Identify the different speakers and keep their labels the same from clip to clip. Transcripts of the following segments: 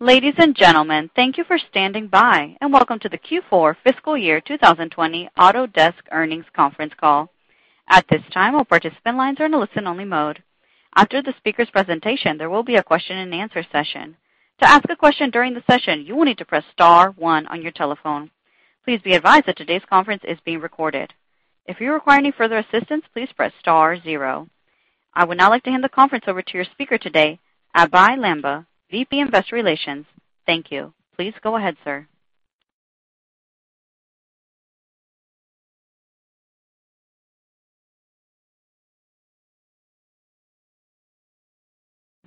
Speaker 1: Ladies and gentlemen, thank you for standing by, and welcome to the Q4 fiscal year 2020 Autodesk earnings conference call. At this time, all participant lines are in a listen-only mode. After the speaker's presentation, there will be a question and answer session. To ask a question during the session, you will need to press star one on your telephone. Please be advised that today's conference is being recorded. If you require any further assistance, please press star zero. I would now like to hand the conference over to your speaker today, Abhey Lamba, VP Investor Relations. Thank you. Please go ahead, sir.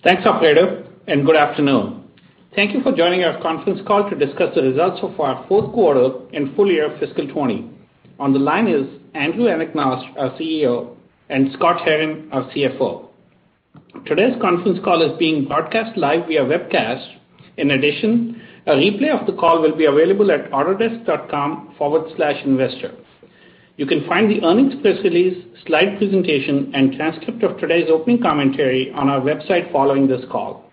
Speaker 2: Thanks, operator. Good afternoon. Thank you for joining our conference call to discuss the results of our fourth quarter and full year of fiscal 2020. On the line is Andrew Anagnost, our CEO, and Scott Herren, our CFO. Today's conference call is being broadcast live via webcast. In addition, a replay of the call will be available at autodesk.com/investor. You can find the earnings press release, slide presentation, and transcript of today's opening commentary on our website following this call.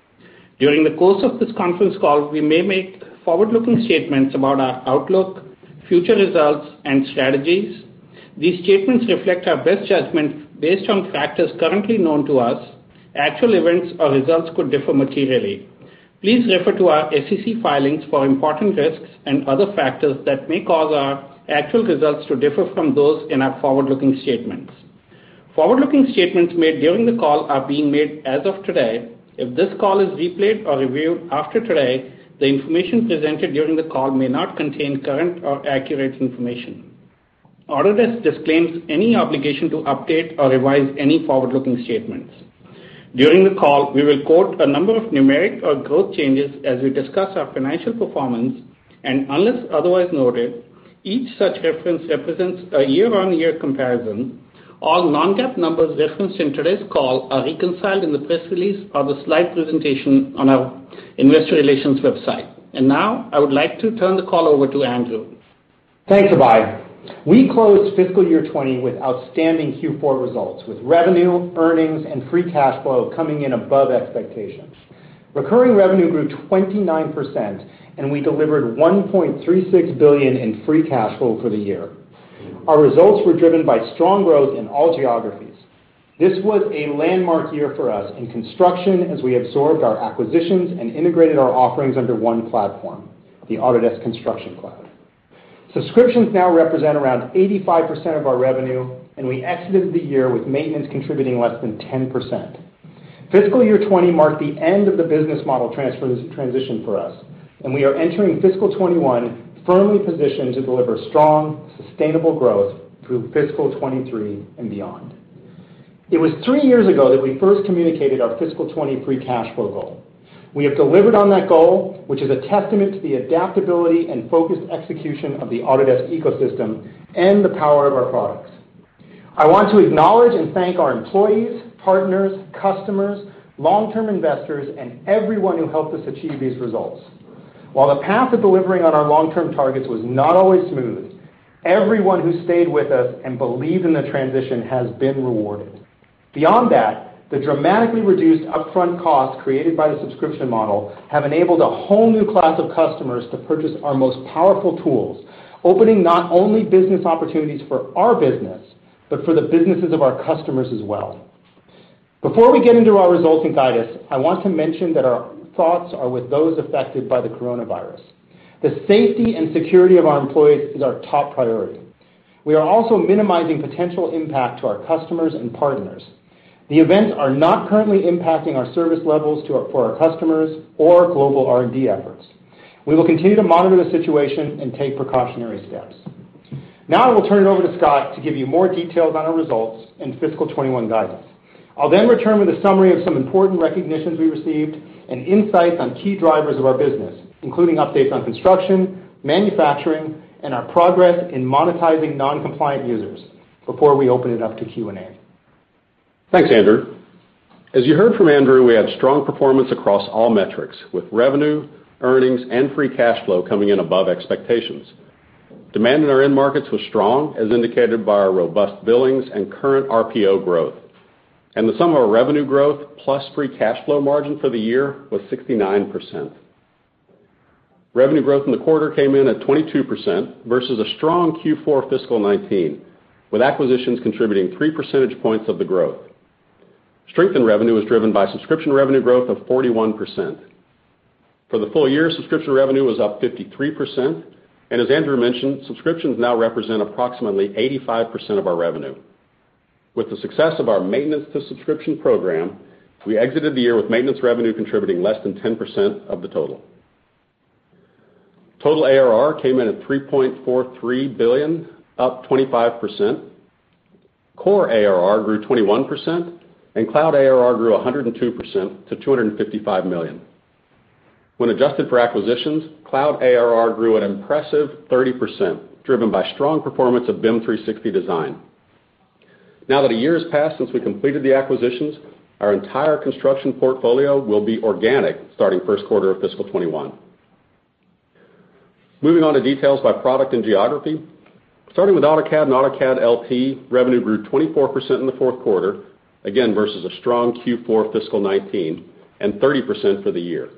Speaker 2: During the course of this conference call, we may make forward-looking statements about our outlook, future results, and strategies. These statements reflect our best judgment based on factors currently known to us. Actual events or results could differ materially. Please refer to our SEC filings for important risks and other factors that may cause our actual results to differ from those in our forward-looking statements. Forward-looking statements made during the call are being made as of today. If this call is replayed or reviewed after today, the information presented during the call may not contain current or accurate information. Autodesk disclaims any obligation to update or revise any forward-looking statements. During the call, we will quote a number of numeric or growth changes as we discuss our financial performance, and unless otherwise noted, each such reference represents a year-on-year comparison. All non-GAAP numbers referenced in today's call are reconciled in the press release of the slide presentation on our investor relations website. Now, I would like to turn the call over to Andrew.
Speaker 3: Thanks, Abhey. We closed fiscal year 2020 with outstanding Q4 results, with revenue, earnings, and free cash flow coming in above expectations. Recurring revenue grew 29%, and we delivered $1.36 billion in free cash flow for the year. Our results were driven by strong growth in all geographies. This was a landmark year for us in construction as we absorbed our acquisitions and integrated our offerings under one platform, the Autodesk Construction Cloud. Subscriptions now represent around 85% of our revenue, and we exited the year with maintenance contributing less than 10%. Fiscal year 2020 marked the end of the business model transition for us, and we are entering fiscal 2021 firmly positioned to deliver strong, sustainable growth through fiscal 2023 and beyond. It was three years ago that we first communicated our fiscal 2020 free cash flow goal. We have delivered on that goal, which is a testament to the adaptability and focused execution of the Autodesk ecosystem and the power of our products. I want to acknowledge and thank our employees, partners, customers, long-term investors, and everyone who helped us achieve these results. While the path of delivering on our long-term targets was not always smooth, everyone who stayed with us and believed in the transition has been rewarded. Beyond that, the dramatically reduced upfront costs created by the subscription model have enabled a whole new class of customers to purchase our most powerful tools, opening not only business opportunities for our business, but for the businesses of our customers as well. Before we get into our results and guidance, I want to mention that our thoughts are with those affected by the coronavirus. The safety and security of our employees is our top priority. We are also minimizing potential impact to our customers and partners. The events are not currently impacting our service levels for our customers or global R&D efforts. We will continue to monitor the situation and take precautionary steps. I will turn it over to Scott to give you more details on our results and fiscal 2021 guidance. I'll then return with a summary of some important recognitions we received and insights on key drivers of our business, including updates on construction, manufacturing, and our progress in monetizing non-compliant users before we open it up to Q&A.
Speaker 4: Thanks, Andrew. As you heard from Andrew, we had strong performance across all metrics, with revenue, earnings, and free cash flow coming in above expectations. Demand in our end markets was strong, as indicated by our robust billings and current RPO growth. The sum of our revenue growth plus free cash flow margin for the year was 69%. Revenue growth in the quarter came in at 22% versus a strong Q4 fiscal 2019, with acquisitions contributing 3 percentage points of the growth. Strength in revenue was driven by subscription revenue growth of 41%. For the full year, subscription revenue was up 53%. As Andrew mentioned, subscriptions now represent approximately 85% of our revenue. With the success of our maintenance to subscription program, we exited the year with maintenance revenue contributing less than 10% of the total. Total ARR came in at $3.43 billion, up 25%. Core ARR grew 21%, Cloud ARR grew 102% to $255 million. When adjusted for acquisitions, Cloud ARR grew an impressive 30%, driven by strong performance of BIM 360 Design. Now that a year has passed since we completed the acquisitions, our entire construction portfolio will be organic starting first quarter of fiscal 2021. Moving on to details by product and geography. Starting with AutoCAD and AutoCAD LT, revenue grew 24% in the fourth quarter, again versus a strong Q4 fiscal 2019, and 30% for the year.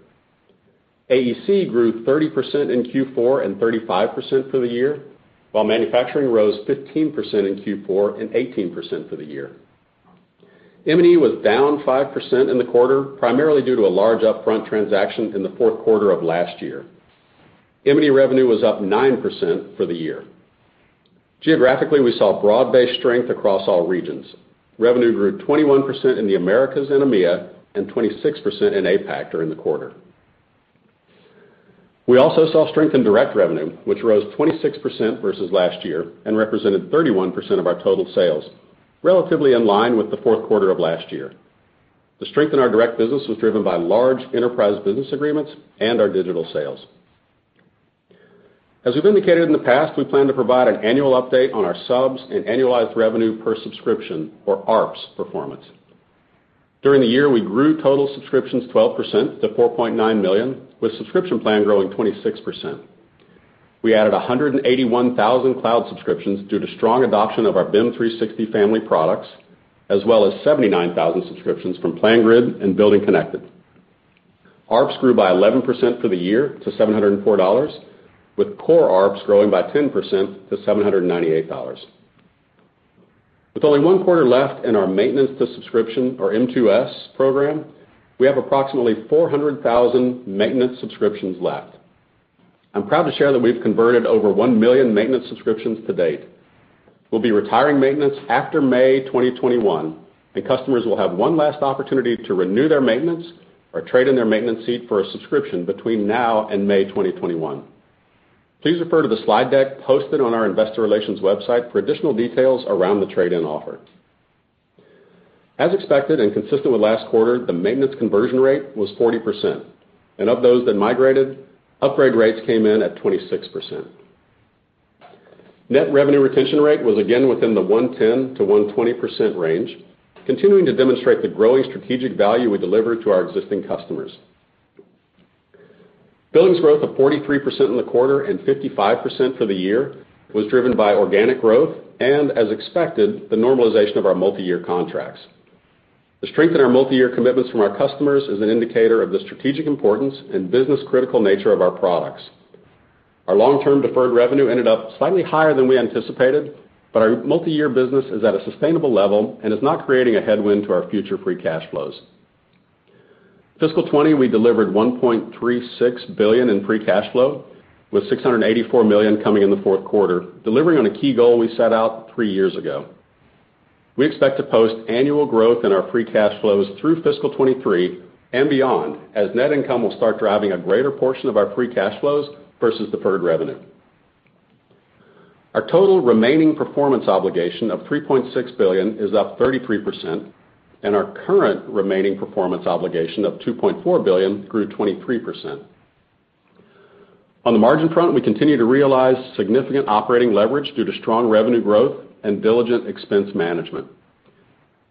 Speaker 4: AEC grew 30% in Q4 and 35% for the year, while manufacturing rose 15% in Q4 and 18% for the year. M&E was down 5% in the quarter, primarily due to a large upfront transaction in the fourth quarter of last year. M&E revenue was up 9% for the year. Geographically, we saw broad-based strength across all regions. Revenue grew 21% in the Americas and EMEIA and 26% in APAC during the quarter. We also saw strength in direct revenue, which rose 26% versus last year and represented 31% of our total sales, relatively in line with the fourth quarter of last year. The strength in our direct business was driven by large enterprise business agreements and our digital sales. As we've indicated in the past, we plan to provide an annual update on our subs and annualized revenue per subscription, or ARPS, performance. During the year, we grew total subscriptions 12% to 4.9 million, with subscription plan growing 26%. We added 181,000 cloud subscriptions due to strong adoption of our BIM 360 family products, as well as 79,000 subscriptions from PlanGrid and BuildingConnected. ARPS grew by 11% for the year to $704, with core ARPS growing by 10% to $798. With only one quarter left in our maintenance to subscription, or M2S, program, we have approximately 400,000 maintenance subscriptions left. I'm proud to share that we've converted over 1 million maintenance subscriptions to date. We'll be retiring maintenance after May 2021, and customers will have one last opportunity to renew their maintenance or trade in their maintenance seat for a subscription between now and May 2021. Please refer to the slide deck posted on our investor relations website for additional details around the trade-in offer. As expected, and consistent with last quarter, the maintenance conversion rate was 40%, and of those that migrated, upgrade rates came in at 26%. Net revenue retention rate was again within the 110%-120% range, continuing to demonstrate the growing strategic value we deliver to our existing customers. Billings growth of 43% in the quarter and 55% for the year was driven by organic growth and, as expected, the normalization of our multi-year contracts. The strength in our multi-year commitments from our customers is an indicator of the strategic importance and business-critical nature of our products. Our long-term deferred revenue ended up slightly higher than we anticipated, but our multi-year business is at a sustainable level and is not creating a headwind to our future free cash flows. Fiscal 2020, we delivered $1.36 billion in free cash flow, with $684 million coming in the fourth quarter, delivering on a key goal we set out three years ago. We expect to post annual growth in our free cash flows through fiscal 2023 and beyond as net income will start driving a greater portion of our free cash flows versus deferred revenue. Our total remaining performance obligation of $3.6 billion is up 33%, and our current remaining performance obligation of $2.4 billion grew 23%. On the margin front, we continue to realize significant operating leverage due to strong revenue growth and diligent expense management.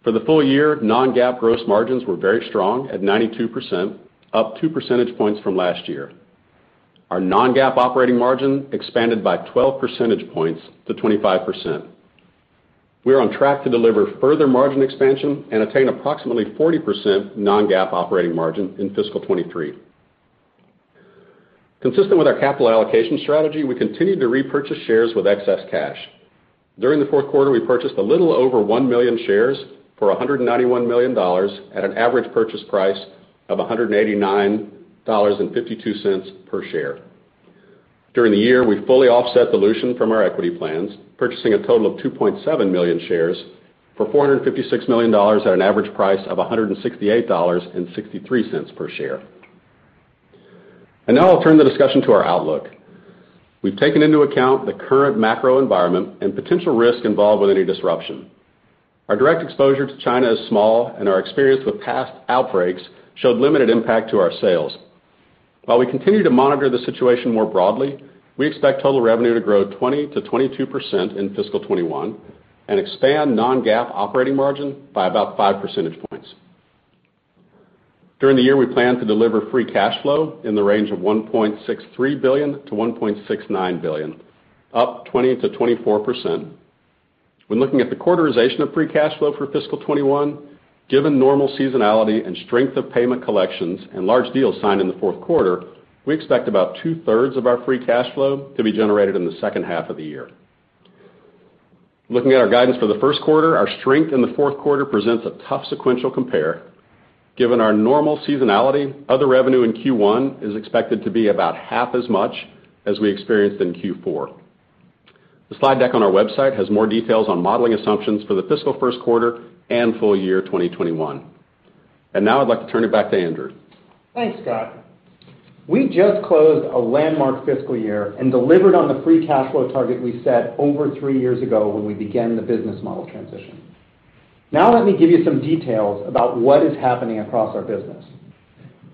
Speaker 4: For the full year, non-GAAP gross margins were very strong at 92%, up 2 percentage points from last year. Our non-GAAP operating margin expanded by 12 percentage points to 25%. We are on track to deliver further margin expansion and attain approximately 40% non-GAAP operating margin in fiscal 2023. Consistent with our capital allocation strategy, we continued to repurchase shares with excess cash. During the fourth quarter, we purchased a little over one million shares for $191 million at an average purchase price of $189.52 per share. During the year, we fully offset dilution from our equity plans, purchasing a total of 2.7 million shares for $456 million at an average price of $168.63 per share. Now I'll turn the discussion to our outlook. We've taken into account the current macro environment and potential risk involved with any disruption. Our direct exposure to China is small, and our experience with past outbreaks showed limited impact to our sales. While we continue to monitor the situation more broadly, we expect total revenue to grow 20%-22% in fiscal 2021, and expand non-GAAP operating margin by about 5 percentage points. During the year, we plan to deliver free cash flow in the range of $1.63 billion-$1.69 billion, up 20%-24%. When looking at the quarterization of free cash flow for fiscal 2021, given normal seasonality and strength of payment collections and large deals signed in the fourth quarter, we expect about 2/3 of our free cash flow to be generated in the second half of the year. Looking at our guidance for the first quarter, our strength in the fourth quarter presents a tough sequential compare. Given our normal seasonality, other revenue in Q1 is expected to be about half as much as we experienced in Q4. The slide deck on our website has more details on modeling assumptions for the fiscal first quarter and full year 2021. Now I'd like to turn it back to Andrew.
Speaker 3: Thanks, Scott. We just closed a landmark fiscal year and delivered on the free cash flow target we set over three years ago when we began the business model transition. Now let me give you some details about what is happening across our business.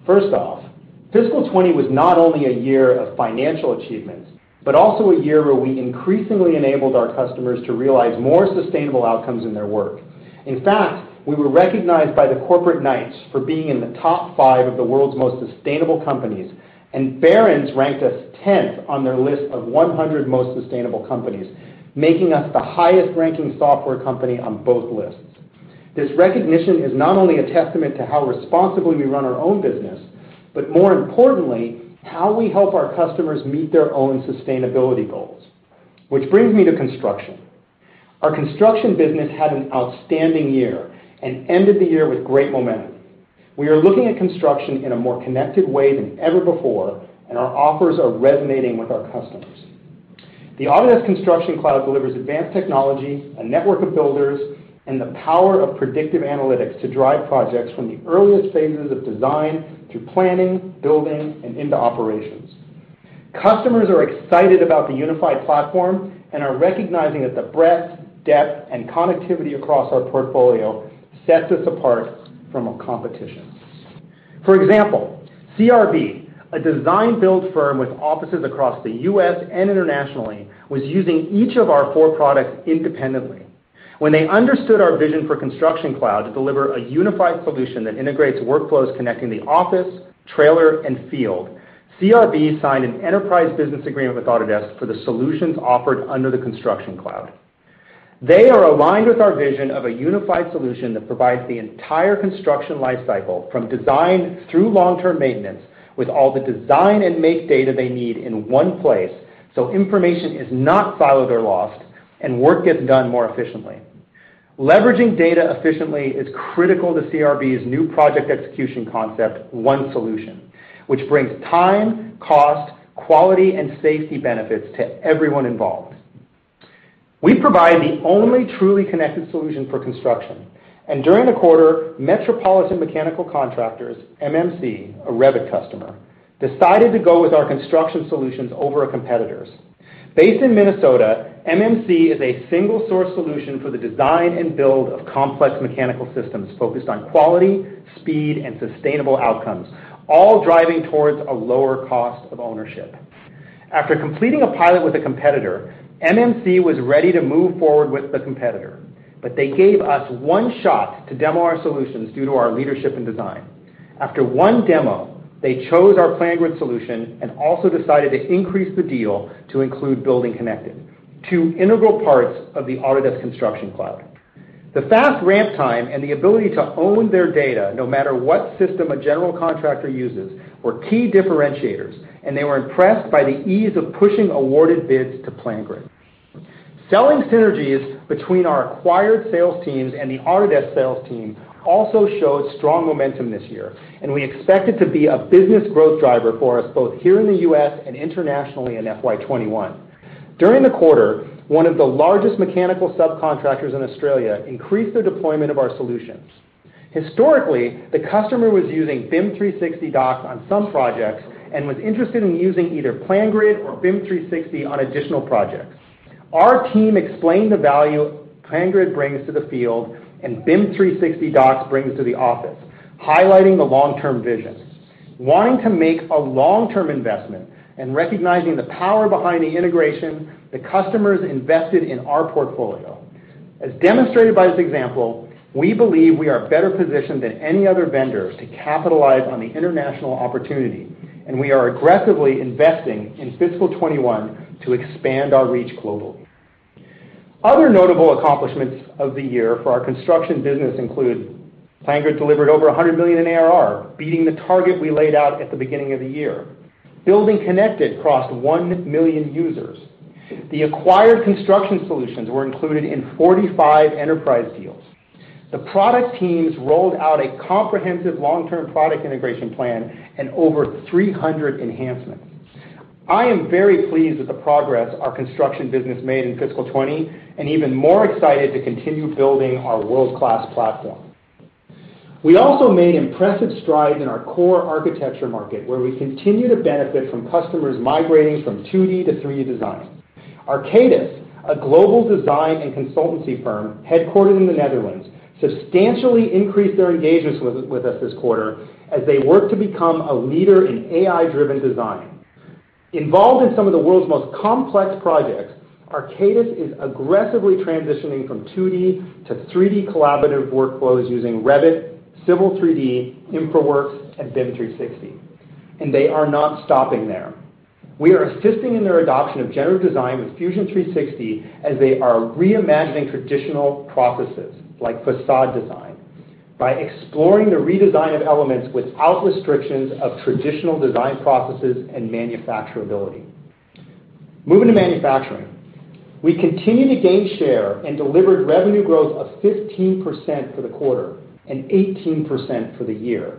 Speaker 3: First off, fiscal 2020 was not only a year of financial achievements, but also a year where we increasingly enabled our customers to realize more sustainable outcomes in their work. In fact, we were recognized by the Corporate Knights for being in the top five of the world's most sustainable companies, and Barron's ranked us 10th on their list of 100 Most Sustainable Companies, making us the highest-ranking software company on both lists. This recognition is not only a testament to how responsibly we run our own business, but more importantly, how we help our customers meet their own sustainability goals. Which brings me to construction. Our construction business had an outstanding year and ended the year with great momentum. We are looking at construction in a more connected way than ever before, and our offers are resonating with our customers. The Autodesk Construction Cloud delivers advanced technology, a network of builders, and the power of predictive analytics to drive projects from the earliest phases of design through planning, building, and into operations. Customers are excited about the unified platform and are recognizing that the breadth, depth, and connectivity across our portfolio sets us apart from our competition. For example, CRB, a design-build firm with offices across the U.S. and internationally, was using each of our four products independently. When they understood our vision for Construction Cloud to deliver a unified solution that integrates workflows connecting the office, trailer, and field, CRB signed an enterprise business agreement with Autodesk for the solutions offered under the Construction Cloud. They are aligned with our vision of a unified solution that provides the entire construction life cycle from design through long-term maintenance with all the design and make data they need in one place, so information is not siloed or lost and work gets done more efficiently. Leveraging data efficiently is critical to CRB's new project execution concept, ONEsolution, which brings time, cost, quality, and safety benefits to everyone involved. We provide the only truly connected solution for construction, and during the quarter, Metropolitan Mechanical Contractors, MMC, a Revit customer, decided to go with our construction solutions over a competitor's. Based in Minnesota, MMC is a single-source solution for the design and build of complex mechanical systems focused on quality, speed, and sustainable outcomes, all driving towards a lower cost of ownership. They gave us one shot to demo our solutions due to our leadership and design. After one demo, they chose our PlanGrid solution and also decided to increase the deal to include BuildingConnected, two integral parts of the Autodesk Construction Cloud. The fast ramp time and the ability to own their data no matter what system a general contractor uses were key differentiators. They were impressed by the ease of pushing awarded bids to PlanGrid. Selling synergies between our acquired sales teams and the Autodesk sales team also showed strong momentum this year, and we expect it to be a business growth driver for us both here in the U.S. and internationally in FY 2021. During the quarter, one of the largest mechanical subcontractors in Australia increased their deployment of our solutions. Historically, the customer was using BIM 360 Docs on some projects and was interested in using either PlanGrid or BIM 360 on additional projects. Our team explained the value PlanGrid brings to the field and BIM 360 Docs brings to the office, highlighting the long-term vision. Wanting to make a long-term investment and recognizing the power behind the integration, the customers invested in our portfolio. As demonstrated by this example, we believe we are better positioned than any other vendors to capitalize on the international opportunity. We are aggressively investing in fiscal 2021 to expand our reach globally. Other notable accomplishments of the year for our construction business include PlanGrid delivered over $100 million in ARR, beating the target we laid out at the beginning of the year. BuildingConnected crossed 1 million users. The acquired construction solutions were included in 45 enterprise deals. The product teams rolled out a comprehensive long-term product integration plan and over 300 enhancements. I am very pleased with the progress our construction business made in fiscal 2020. Even more excited to continue building our world-class platform. We also made impressive strides in our core architecture market, where we continue to benefit from customers migrating from 2D to 3D design. Arcadis, a global design and consultancy firm headquartered in the Netherlands, substantially increased their engagements with us this quarter as they work to become a leader in AI-driven design. Involved in some of the world's most complex projects, Arcadis is aggressively transitioning from 2D to 3D collaborative workflows using Revit, Civil 3D, InfraWorks, and BIM 360. They are not stopping there. We are assisting in their adoption of generative design with Fusion 360 as they are reimagining traditional processes like façade design by exploring the redesign of elements without restrictions of traditional design processes and manufacturability. Moving to manufacturing. We continue to gain share and delivered revenue growth of 15% for the quarter and 18% for the year.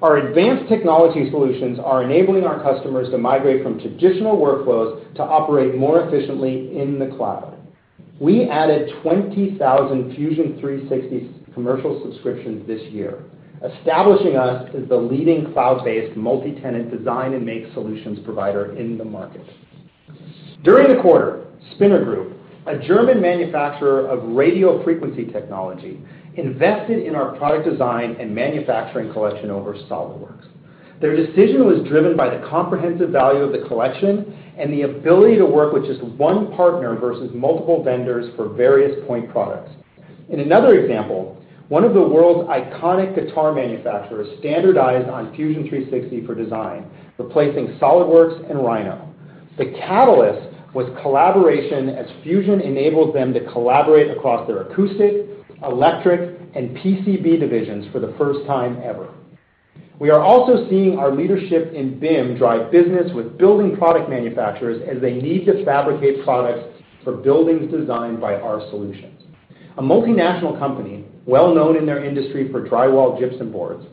Speaker 3: Our advanced technology solutions are enabling our customers to migrate from traditional workflows to operate more efficiently in the cloud. We added 20,000 Fusion 360 commercial subscriptions this year, establishing us as the leading cloud-based multi-tenant design and make solutions provider in the market. During the quarter, SPINNER Group, a German manufacturer of radio frequency technology, invested in our Product Design & Manufacturing Collection over SOLIDWORKS. Their decision was driven by the comprehensive value of the collection and the ability to work with just one partner versus multiple vendors for various point products. In another example, one of the world's iconic guitar manufacturers standardized on Fusion 360 for design, replacing SOLIDWORKS and Rhino. The catalyst was collaboration, as Fusion enabled them to collaborate across their acoustic, electric, and PCB divisions for the first time ever. We are also seeing our leadership in BIM drive business with building product manufacturers as they need to fabricate products for buildings designed by our solutions. A multinational company, well known in their industry for drywall gypsum boards,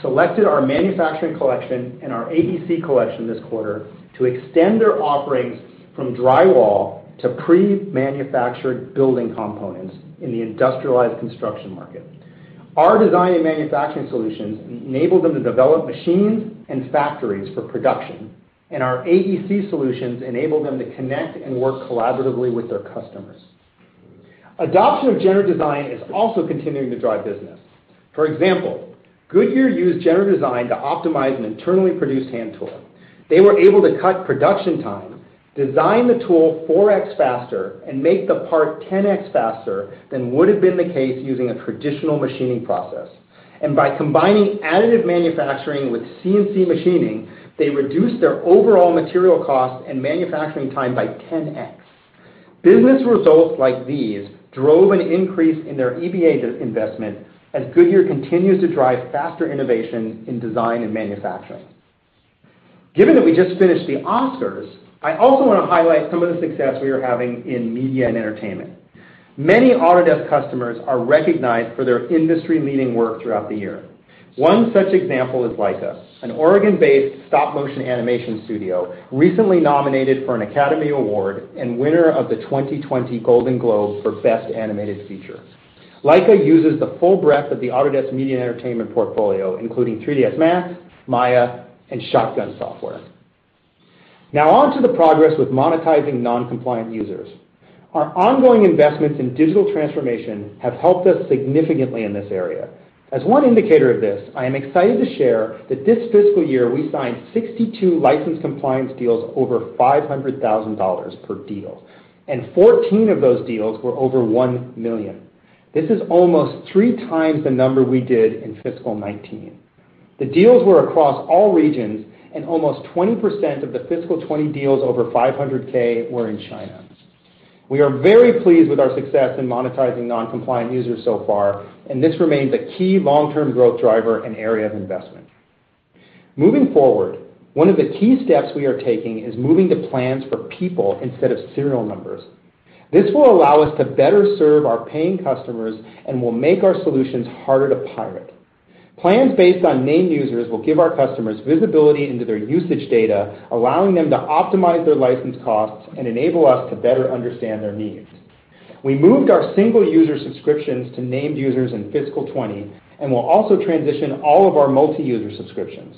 Speaker 3: selected our manufacturing collection and our AEC collection this quarter to extend their offerings from drywall to pre-manufactured building components in the industrialized construction market. Our design and manufacturing solutions enable them to develop machines and factories for production, and our AEC solutions enable them to connect and work collaboratively with their customers. Adoption of generative design is also continuing to drive business. For example, Goodyear used generative design to optimize an internally produced hand tool. They were able to cut production time, design the tool 4x faster, and make the part 10x faster than would have been the case using a traditional machining process. By combining additive manufacturing with CNC machining, they reduced their overall material cost and manufacturing time by 10x. Business results like these drove an increase in their EBA investment as Goodyear continues to drive faster innovation in design and manufacturing. Given that we just finished the Oscars, I also want to highlight some of the success we are having in media and entertainment. Many Autodesk customers are recognized for their industry-leading work throughout the year. One such example is LAIKA, an Oregon-based stop-motion animation studio recently nominated for an Academy Award and winner of the 2020 Golden Globe for Best Animated Feature. LAIKA uses the full breadth of the Autodesk media and entertainment portfolio, including 3ds Max, Maya, and Shotgun software. On to the progress with monetizing non-compliant users. Our ongoing investments in digital transformation have helped us significantly in this area. As one indicator of this, I am excited to share that this fiscal year, we signed 62 license compliance deals over $500,000 per deal, and 14 of those deals were over $1 million. This is almost three times the number we did in fiscal 2019. The deals were across all regions, and almost 20% of the fiscal 2020 deals over $500,000 were in China. We are very pleased with our success in monetizing non-compliant users so far, and this remains a key long-term growth driver and area of investment. Moving forward, one of the key steps we are taking is moving to plans for people instead of serial numbers. This will allow us to better serve our paying customers and will make our solutions harder to pirate. Plans based on named users will give our customers visibility into their usage data, allowing them to optimize their license costs and enable us to better understand their needs. We moved our single-user subscriptions to named users in fiscal 2020, and we'll also transition all of our multi-user subscriptions.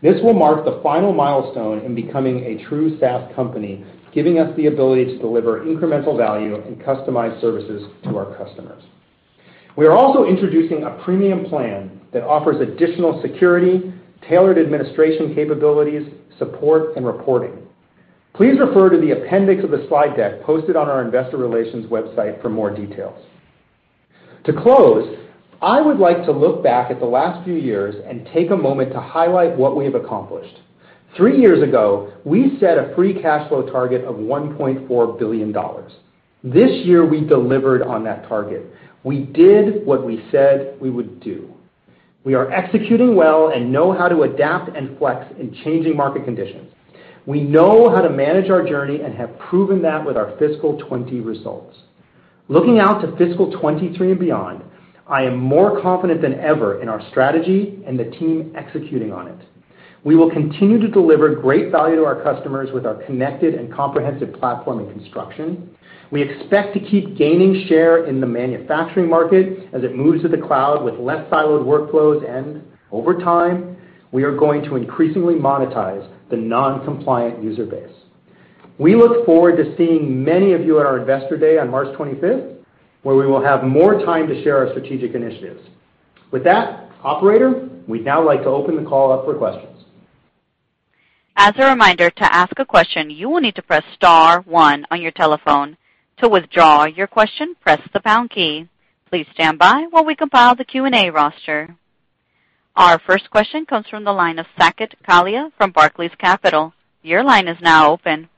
Speaker 3: This will mark the final milestone in becoming a true SaaS company, giving us the ability to deliver incremental value and customized services to our customers. We are also introducing a premium plan that offers additional security, tailored administration capabilities, support, and reporting. Please refer to the appendix of the slide deck posted on our investor relations website for more details. To close, I would like to look back at the last few years and take a moment to highlight what we have accomplished. Three years ago, we set a free cash flow target of $1.4 billion. This year, we delivered on that target. We did what we said we would do. We are executing well and know how to adapt and flex in changing market conditions. We know how to manage our journey and have proven that with our fiscal 2020 results. Looking out to fiscal 2023 and beyond, I am more confident than ever in our strategy and the team executing on it. We will continue to deliver great value to our customers with our connected and comprehensive platform in construction. We expect to keep gaining share in the manufacturing market as it moves to the cloud with less siloed workflows. Over time, we are going to increasingly monetize the non-compliant user base. We look forward to seeing many of you at our Investor Day on March 25th, where we will have more time to share our strategic initiatives. With that, operator, we'd now like to open the call up for questions.
Speaker 1: As a reminder, to ask a question, you will need to press star one on your telephone. To withdraw your question, press the pound key. Please stand by while we compile the Q&A roster. Our first question comes from the line of Saket Kalia from Barclays Capital. Your line is now open.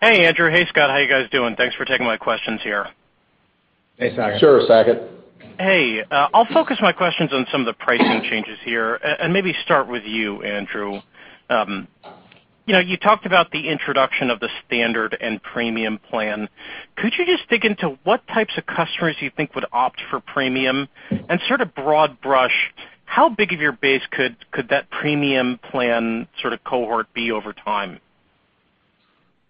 Speaker 5: Hey, Andrew. Hey, Scott. How you guys doing? Thanks for taking my questions here.
Speaker 3: Hey, Saket.
Speaker 4: Sure, Saket.
Speaker 5: Hey. I'll focus my questions on some of the pricing changes here, maybe start with you, Andrew. You talked about the introduction of the standard and premium plan. Could you just dig into what types of customers you think would opt for premium and sort of broad brush, how big of your base could that premium plan cohort be over time?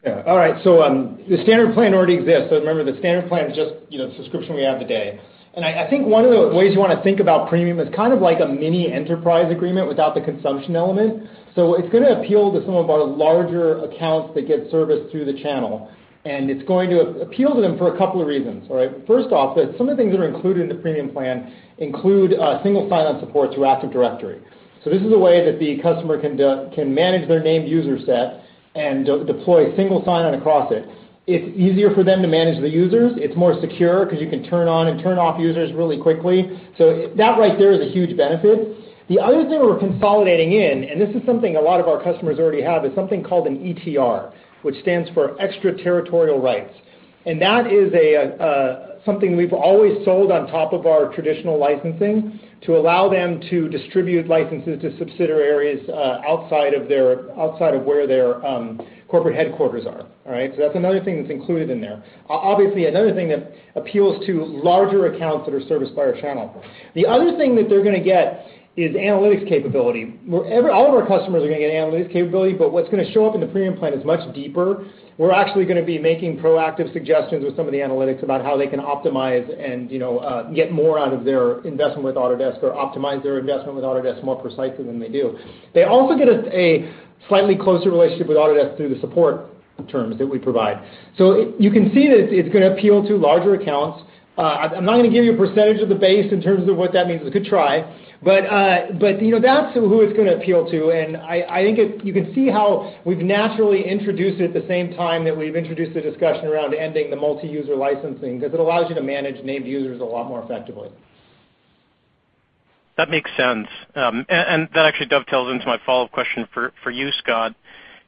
Speaker 3: Yeah. All right. The standard plan already exists. Remember, the standard plan is just the subscription we have today. I think one of the ways you want to think about Premium is kind of like a mini enterprise agreement without the consumption element. It's going to appeal to some of our larger accounts that get serviced through the channel, and it's going to appeal to them for a couple of reasons, all right? First off, some of the things that are included in the Premium Plan include single sign-on support through Active Directory. This is a way that the customer can manage their named user set and deploy single sign-on across it. It's easier for them to manage the users. It's more secure because you can turn on and turn off users really quickly. That right there is a huge benefit. The other thing we're consolidating in, and this is something a lot of our customers already have, is something called an ETR, which stands for Extraterritorial Rights. That is something we've always sold on top of our traditional licensing to allow them to distribute licenses to subsidiaries outside of where their corporate headquarters are. All right? That's another thing that's included in there. Obviously, another thing that appeals to larger accounts that are serviced by our channel. The other thing that they're going to get is analytics capability, where all of our customers are going to get analytics capability, but what's going to show up in the premium plan is much deeper. We're actually going to be making proactive suggestions with some of the analytics about how they can optimize and get more out of their investment with Autodesk or optimize their investment with Autodesk more precisely than they do. They also get a slightly closer relationship with Autodesk through the support terms that we provide. You can see that it's going to appeal to larger accounts. I'm not going to give you a percentage of the base in terms of what that means. It's a good try, but that's who it's going to appeal to, and I think you can see how we've naturally introduced it at the same time that we've introduced the discussion around ending the multi-user licensing because it allows you to manage named users a lot more effectively.
Speaker 5: That makes sense. That actually dovetails into my follow-up question for you, Scott.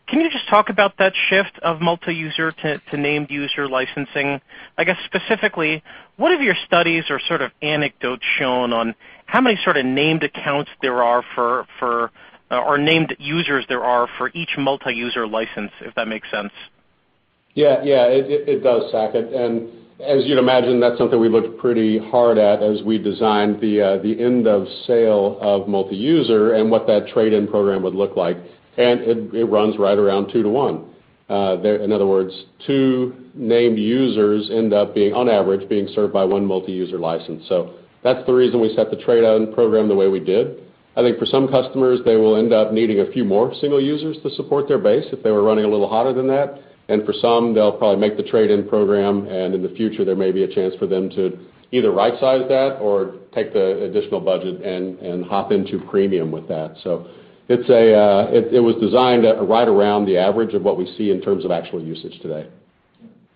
Speaker 5: Can you just talk about that shift of multi-user to named-user licensing? I guess specifically, what have your studies or sort of anecdotes shown on how many sort of named accounts there are for, or named users there are for each multi-user license, if that makes sense?
Speaker 4: Yeah. It does, Saket. As you'd imagine, that's something we looked pretty hard at as we designed the end of sale of multi-user and what that trade-in program would look like, and it runs right around 2:1. In other words, two named users end up, on average, being served by one multi-user license. That's the reason we set the trade-in program the way we did. I think for some customers, they will end up needing a few more single users to support their base if they were running a little hotter than that, and for some, they'll probably make the trade-in program, and in the future, there may be a chance for them to either right-size that or take the additional budget and hop into premium with that. It was designed right around the average of what we see in terms of actual usage today.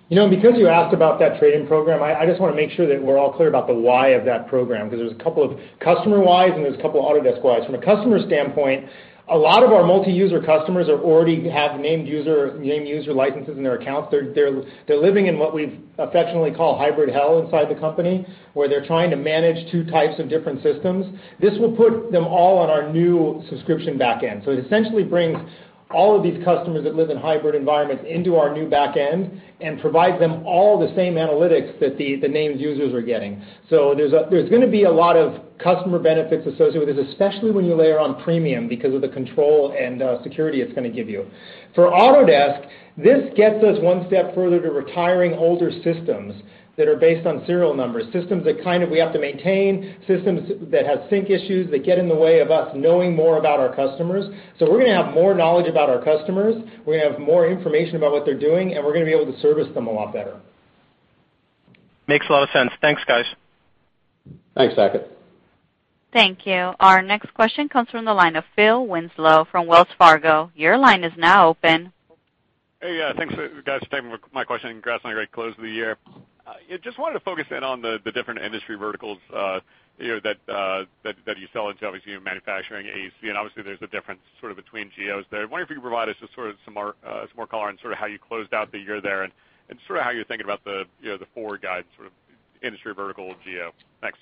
Speaker 3: Because you asked about that trade-in program, I just want to make sure that we're all clear about the why of that program, because there's a couple of customer whys and there's a couple of Autodesk whys. From a customer standpoint, a lot of our multi-user customers already have named-user licenses in their accounts. They're living in what we've affectionately call hybrid hell inside the company, where they're trying to manage two types of different systems. This will put them all on our new subscription back end. It essentially brings all of these customers that live in hybrid environments into our new back end and provides them all the same analytics that the named users are getting. There's going to be a lot of customer benefits associated with this, especially when you layer on premium because of the control and security it's going to give you. For Autodesk, this gets us one step further to retiring older systems that are based on serial numbers, systems that we have to maintain, systems that have sync issues, that get in the way of us knowing more about our customers. We're going to have more knowledge about our customers, we're going to have more information about what they're doing, and we're going to be able to service them a lot better.
Speaker 5: Makes a lot of sense. Thanks, guys.
Speaker 4: Thanks, Saket.
Speaker 1: Thank you. Our next question comes from the line of Phil Winslow from Wells Fargo. Your line is now open.
Speaker 6: Hey. Yeah. Thanks, guys, for taking my question. Congrats on a great close to the year. Just wanted to focus in on the different industry verticals that you sell into. Obviously, you're manufacturing AEC, and obviously there's a difference between geos there. I wonder if you could provide us just some more color on how you closed out the year there and how you're thinking about the forward guide, sort of industry vertical geo. Thanks.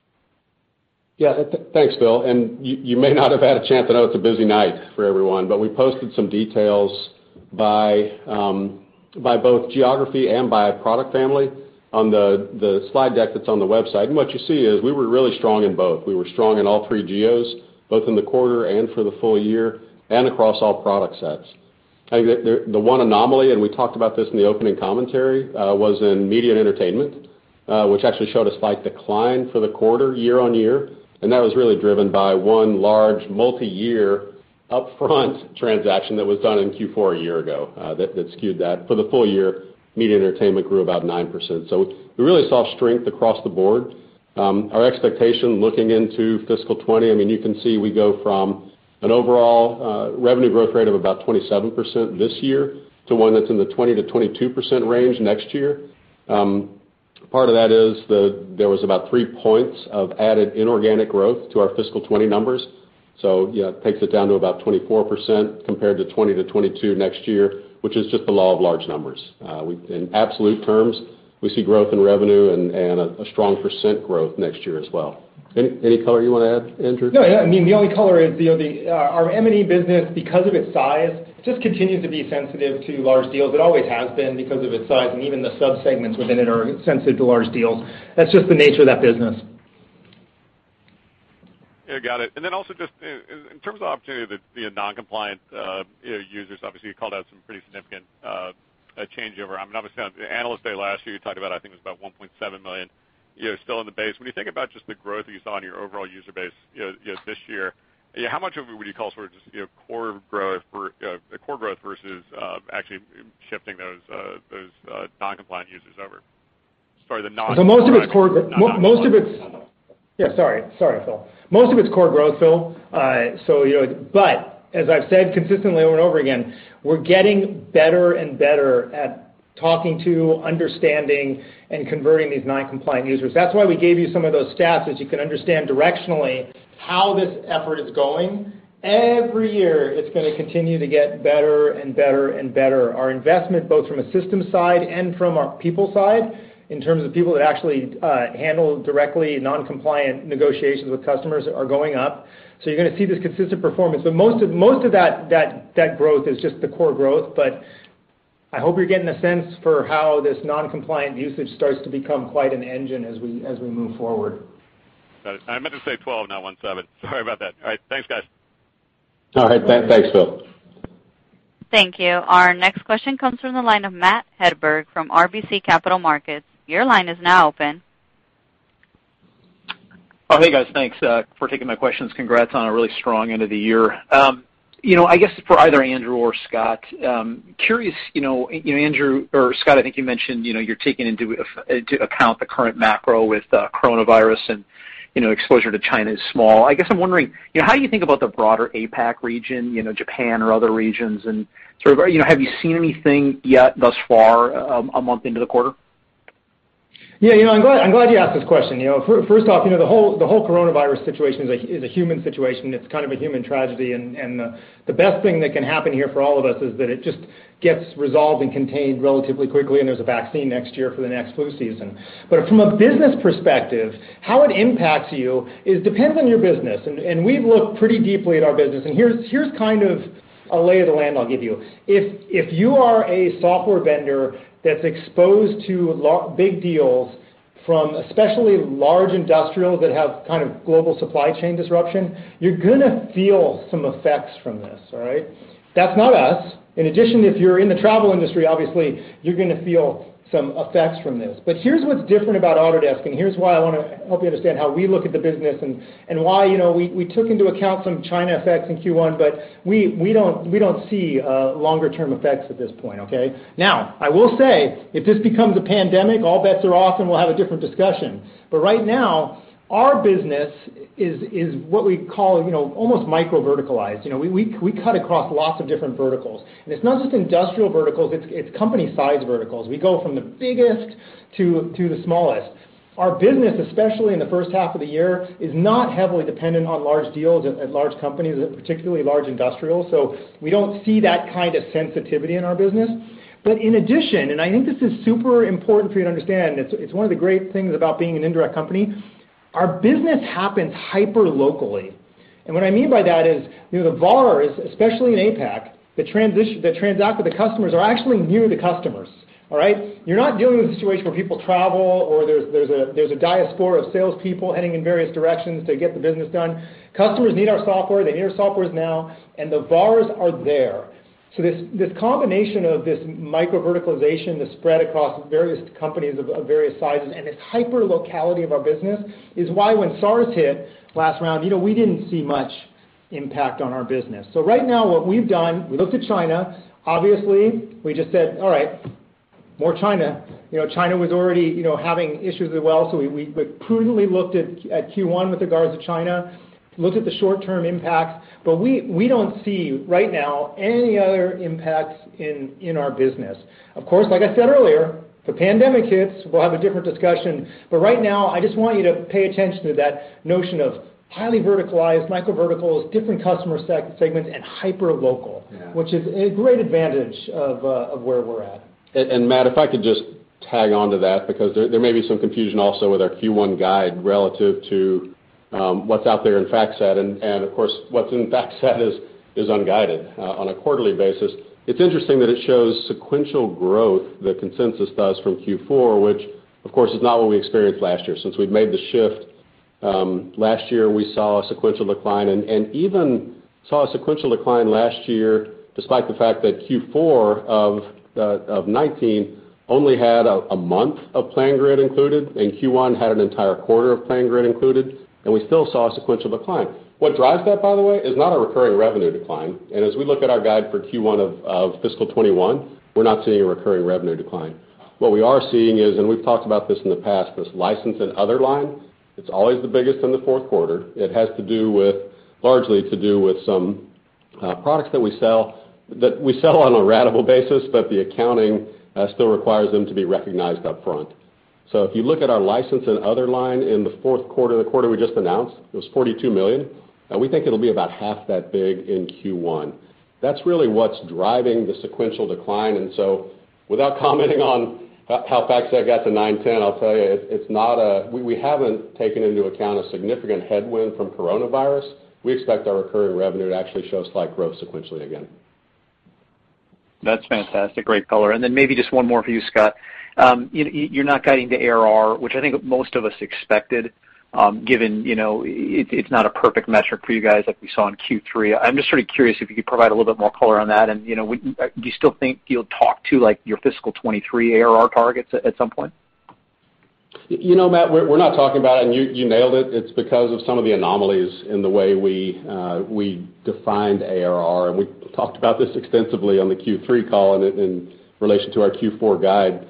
Speaker 4: Yeah. Thanks, Phil. You may not have had a chance. I know it's a busy night for everyone, but we posted some details by both geography and by product family on the slide deck that's on the website. What you see is we were really strong in both. We were strong in all three geos, both in the quarter and for the full year, and across all product sets. I think the one anomaly, and we talked about this in the opening commentary, was in Media & Entertainment, which actually showed a slight decline for the quarter year-on-year, and that was really driven by one large multi-year upfront transaction that was done in Q4 a year ago that skewed that. For the full year, Media & Entertainment grew about 9%. We really saw strength across the board. Our expectation looking into fiscal 2020, you can see we go from an overall revenue growth rate of about 27% this year to one that's in the 20%-22% range next year. Part of that is there was about three points of added inorganic growth to our fiscal 2020 numbers. It takes it down to about 24% compared to 20%-22% next year, which is just the law of large numbers. In absolute terms, we see growth in revenue and a strong percent growth next year as well. Any color you want to add, Andrew?
Speaker 3: No. Yeah. The only color is our M&E business, because of its size, just continues to be sensitive to large deals. It always has been because of its size, and even the subsegments within it are sensitive to large deals. That's just the nature of that business.
Speaker 6: Yeah, got it. Then also just in terms of opportunity that non-compliant users, obviously, you called out some pretty significant changeover. I'm obviously on Analyst Day last year, you talked about, I think it was about 1.7 million still in the base. When you think about just the growth that you saw on your overall user base this year, how much of it would you call core growth versus actually shifting those non-compliant users over?
Speaker 3: Most of it's core. Yeah, sorry, Phil. Most of it's core growth, Phil. As I've said consistently over and over again, we're getting better and better at talking to, understanding, and converting these non-compliant users. That's why we gave you some of those stats, is you can understand directionally how this effort is going. Every year, it's going to continue to get better and better. Our investment, both from a systems side and from our people side, in terms of people that actually handle directly non-compliant negotiations with customers, are going up. You're going to see this consistent performance. Most of that growth is just the core growth. I hope you're getting a sense for how this non-compliant usage starts to become quite an engine as we move forward.
Speaker 6: Got it. I meant to say 12, not 1.7. Sorry about that. All right. Thanks, guys.
Speaker 3: All right. Thanks, Phil.
Speaker 1: Thank you. Our next question comes from the line of Matt Hedberg from RBC Capital Markets. Your line is now open.
Speaker 7: Hey, guys. Thanks for taking my questions. Congrats on a really strong end of the year. For either Andrew or Scott, I think you mentioned you're taking into account the current macro with coronavirus and exposure to China is small. I'm wondering how you think about the broader APAC region, Japan or other regions, and have you seen anything yet thus far, a month into the quarter?
Speaker 3: Yeah, I'm glad you asked this question. First off, the whole coronavirus situation is a human situation. It's kind of a human tragedy, the best thing that can happen here for all of us is that it just gets resolved and contained relatively quickly, and there's a vaccine next year for the next flu season. From a business perspective, how it impacts you, it depends on your business. We've looked pretty deeply at our business, and here's a lay of the land I'll give you. If you are a software vendor that's exposed to big deals from especially large industrials that have global supply chain disruption, you're going to feel some effects from this. That's not us. In addition, if you're in the travel industry, obviously, you're going to feel some effects from this. Here's what's different about Autodesk, and here's why I want to help you understand how we look at the business and why we took into account some China effects in Q1, but we don't see longer-term effects at this point, okay? I will say, if this becomes a pandemic, all bets are off, and we'll have a different discussion. Right now, our business is what we call almost microverticalized. We cut across lots of different verticals. It's not just industrial verticals, it's company size verticals. We go from the biggest to the smallest. Our business, especially in the first half of the year, is not heavily dependent on large deals at large companies, particularly large industrials. We don't see that kind of sensitivity in our business. In addition, and I think this is super important for you to understand, it's one of the great things about being an indirect company, our business happens hyper locally. What I mean by that is, the VARs, especially in APAC, that transact with the customers are actually near the customers. You're not dealing with a situation where people travel or there's a diaspora of salespeople heading in various directions to get the business done. Customers need our software, they need our softwares now, and the VARs are there. This combination of this microverticalization, the spread across various companies of various sizes, and this hyper locality of our business is why when SARS hit last round, we didn't see much impact on our business. Right now what we've done, we looked at China. Obviously, we just said, "All right, more China." China was already having issues as well. We prudently looked at Q1 with regards to China, looked at the short-term impacts. We don't see right now any other impacts in our business. Of course, like I said earlier, if the pandemic hits, we'll have a different discussion. Right now, I just want you to pay attention to that notion of highly verticalized, microverticals, different customer segments, and hyper local.
Speaker 4: Yeah.
Speaker 3: Which is a great advantage of where we're at.
Speaker 4: Matt, if I could just tag onto that, because there may be some confusion also with our Q1 guide relative to what's out there in FactSet, and of course, what's in FactSet is unguided on a quarterly basis. It's interesting that it shows sequential growth, the consensus does from Q4, which of course, is not what we experienced last year. Since we've made the shift, last year we saw a sequential decline, and even saw a sequential decline last year, despite the fact that Q4 of 2019 only had a month of PlanGrid included, and Q1 had an entire quarter of PlanGrid included, and we still saw a sequential decline. What drives that, by the way, is not a recurring revenue decline, and as we look at our guide for Q1 of fiscal 2021, we're not seeing a recurring revenue decline. What we are seeing is, we've talked about this in the past, this license and other line, it's always the biggest in the fourth quarter. It has largely to do with some products that we sell on a ratable basis, but the accounting still requires them to be recognized upfront. If you look at our license and other line in the fourth quarter, the quarter we just announced, it was $42 million, and we think it'll be about half that big in Q1. That's really what's driving the sequential decline, without commenting on how fast that got to $910, I'll tell you, we haven't taken into account a significant headwind from coronavirus. We expect our recurring revenue to actually show slight growth sequentially again.
Speaker 7: That's fantastic. Great color. Maybe just one more for you, Scott. You're not guiding to ARR, which I think most of us expected, given it's not a perfect metric for you guys like we saw in Q3. I'm just sort of curious if you could provide a little bit more color on that. Do you still think you'll talk to your fiscal 2023 ARR targets at some point?
Speaker 4: Matt, we're not talking about it. You nailed it. It's because of some of the anomalies in the way we defined ARR. We talked about this extensively on the Q3 call and in relation to our Q4 guide.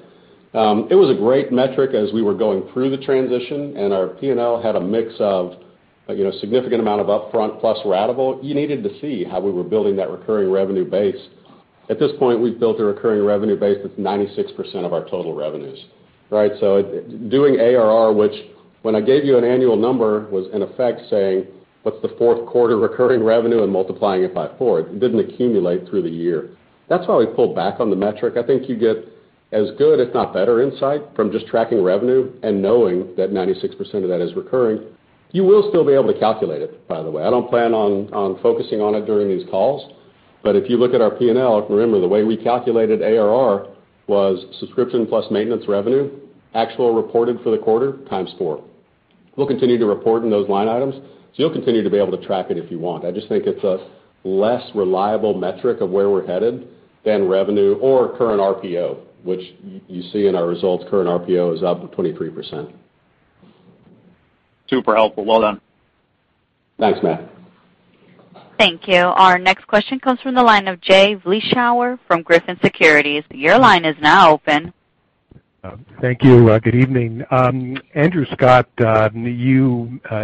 Speaker 4: It was a great metric as we were going through the transition and our P&L had a mix of a significant amount of upfront plus ratable. You needed to see how we were building that recurring revenue base. At this point, we've built a recurring revenue base that's 96% of our total revenues. Right? Doing ARR, which when I gave you an annual number, was in effect saying, "What's the fourth quarter recurring revenue?" and multiplying it by four. It didn't accumulate through the year. That's why we pulled back on the metric. I think you get as good, if not better insight from just tracking revenue and knowing that 96% of that is recurring. You will still be able to calculate it, by the way. I don't plan on focusing on it during these calls. If you look at our P&L, remember the way we calculated ARR was subscription plus maintenance revenue, actual reported for the quarter times four. We'll continue to report in those line items, so you'll continue to be able to track it if you want. I just think it's a less reliable metric of where we're headed than revenue or current RPO, which you see in our results. Current RPO is up 23%.
Speaker 7: Super helpful. Well done.
Speaker 4: Thanks, Matt.
Speaker 1: Thank you. Our next question comes from the line of Jay Vleeschhouwer from Griffin Securities. Your line is now open.
Speaker 8: Thank you. Good evening. Andrew, Scott, you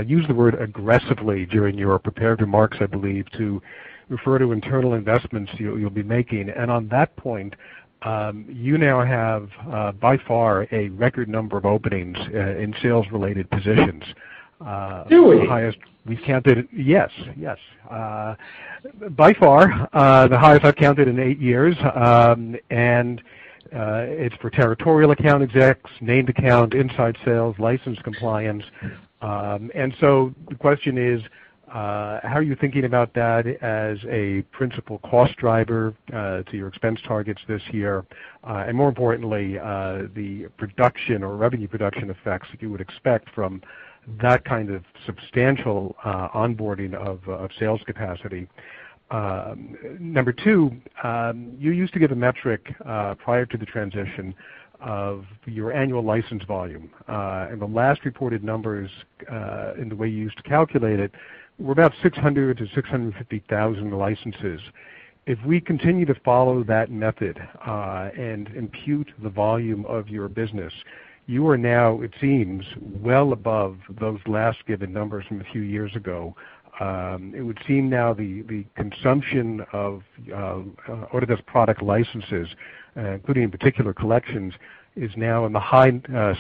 Speaker 8: used the word aggressively during your prepared remarks, I believe, to refer to internal investments you'll be making. On that point, you now have by far a record number of openings in sales-related positions.
Speaker 3: Do we?
Speaker 8: The highest we've counted. Yes. By far, the highest I've counted in eight years. It's for territorial account execs, named account, inside sales, license compliance. The question is, how are you thinking about that as a principal cost driver to your expense targets this year? More importantly, the production or revenue production effects you would expect from that kind of substantial onboarding of sales capacity. Number two, you used to give a metric prior to the transition of your annual license volume. The last reported numbers, in the way you used to calculate it, were about 600,000 to 650,000 licenses. If we continue to follow that method and impute the volume of your business, you are now, it seems, well above those last given numbers from a few years ago. It would seem now the consumption of Autodesk product licenses, including in particular collections, is now in the high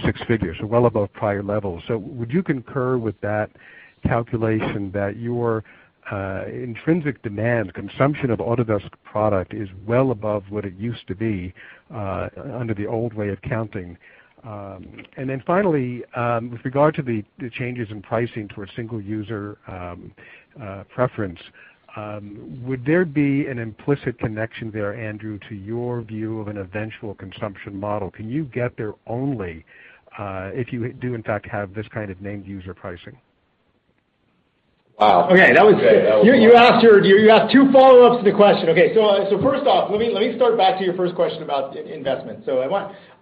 Speaker 8: six figures, so well above prior levels. Would you concur with that calculation that your intrinsic demand consumption of Autodesk product is well above what it used to be under the old way of counting? Finally, with regard to the changes in pricing to a single-user preference, would there be an implicit connection there, Andrew, to your view of an eventual consumption model? Can you get there only if you do in fact have this kind of named user pricing?
Speaker 3: Wow. Okay. You asked two follow-ups to the question. First off, let me start back to your first question about investment.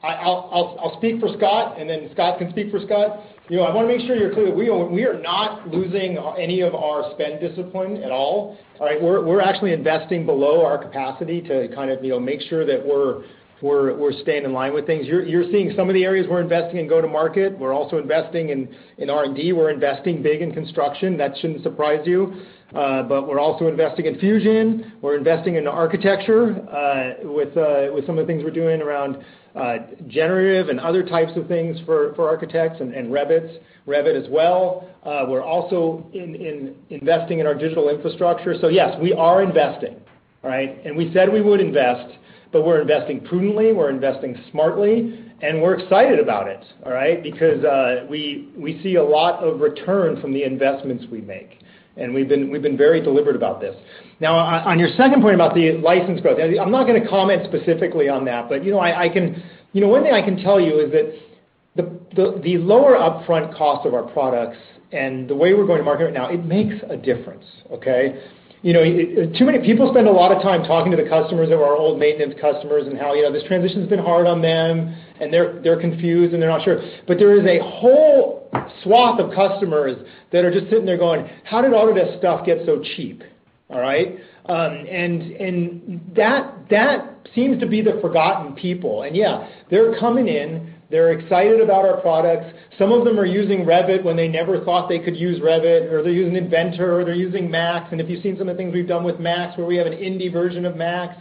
Speaker 3: I'll speak for Scott, and then Scott can speak for Scott. I want to make sure you're clear. We are not losing any of our spend discipline at all. All right? We're actually investing below our capacity to kind of make sure that we're staying in line with things. You're seeing some of the areas we're investing in go-to-market. We're also investing in R&D. We're investing big in construction. That shouldn't surprise you. We're also investing in Fusion. We're investing in architecture with some of the things we're doing around generative and other types of things for architects and Revit as well. We're also investing in our digital infrastructure. Yes, we are investing. All right? We said we would invest, but we're investing prudently, we're investing smartly, and we're excited about it, all right, because we see a lot of return from the investments we make. We've been very deliberate about this. Now, on your second point about the license growth, I'm not going to comment specifically on that, but one thing I can tell you is that the lower upfront cost of our products and the way we're going to market right now, it makes a difference. Okay? People spend a lot of time talking to the customers that were our old maintenance customers and how this transition's been hard on them and they're confused and they're not sure. There is a whole swath of customers that are just sitting there going, "How did Autodesk stuff get so cheap?" All right? That seems to be the forgotten people. Yeah, they're coming in, they're excited about our products. Some of them are using Revit when they never thought they could use Revit, or they're using Inventor or they're using Max. If you've seen some of the things we've done with Max, where we have an indie version of Max,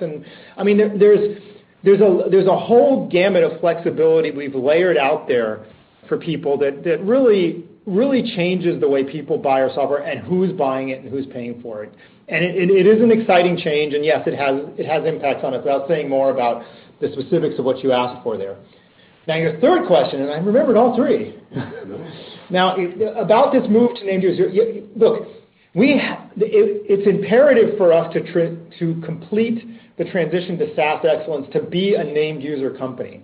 Speaker 3: I mean, there's a whole gamut of flexibility we've layered out there for people that really changes the way people buy our software and who's buying it and who's paying for it. It is an exciting change. Yes, it has impacts on it without saying more about the specifics of what you asked for there. Now, your third question, and I remembered all three About this move to named user, look, it's imperative for us to complete the transition to SaaS excellence, to be a named user company.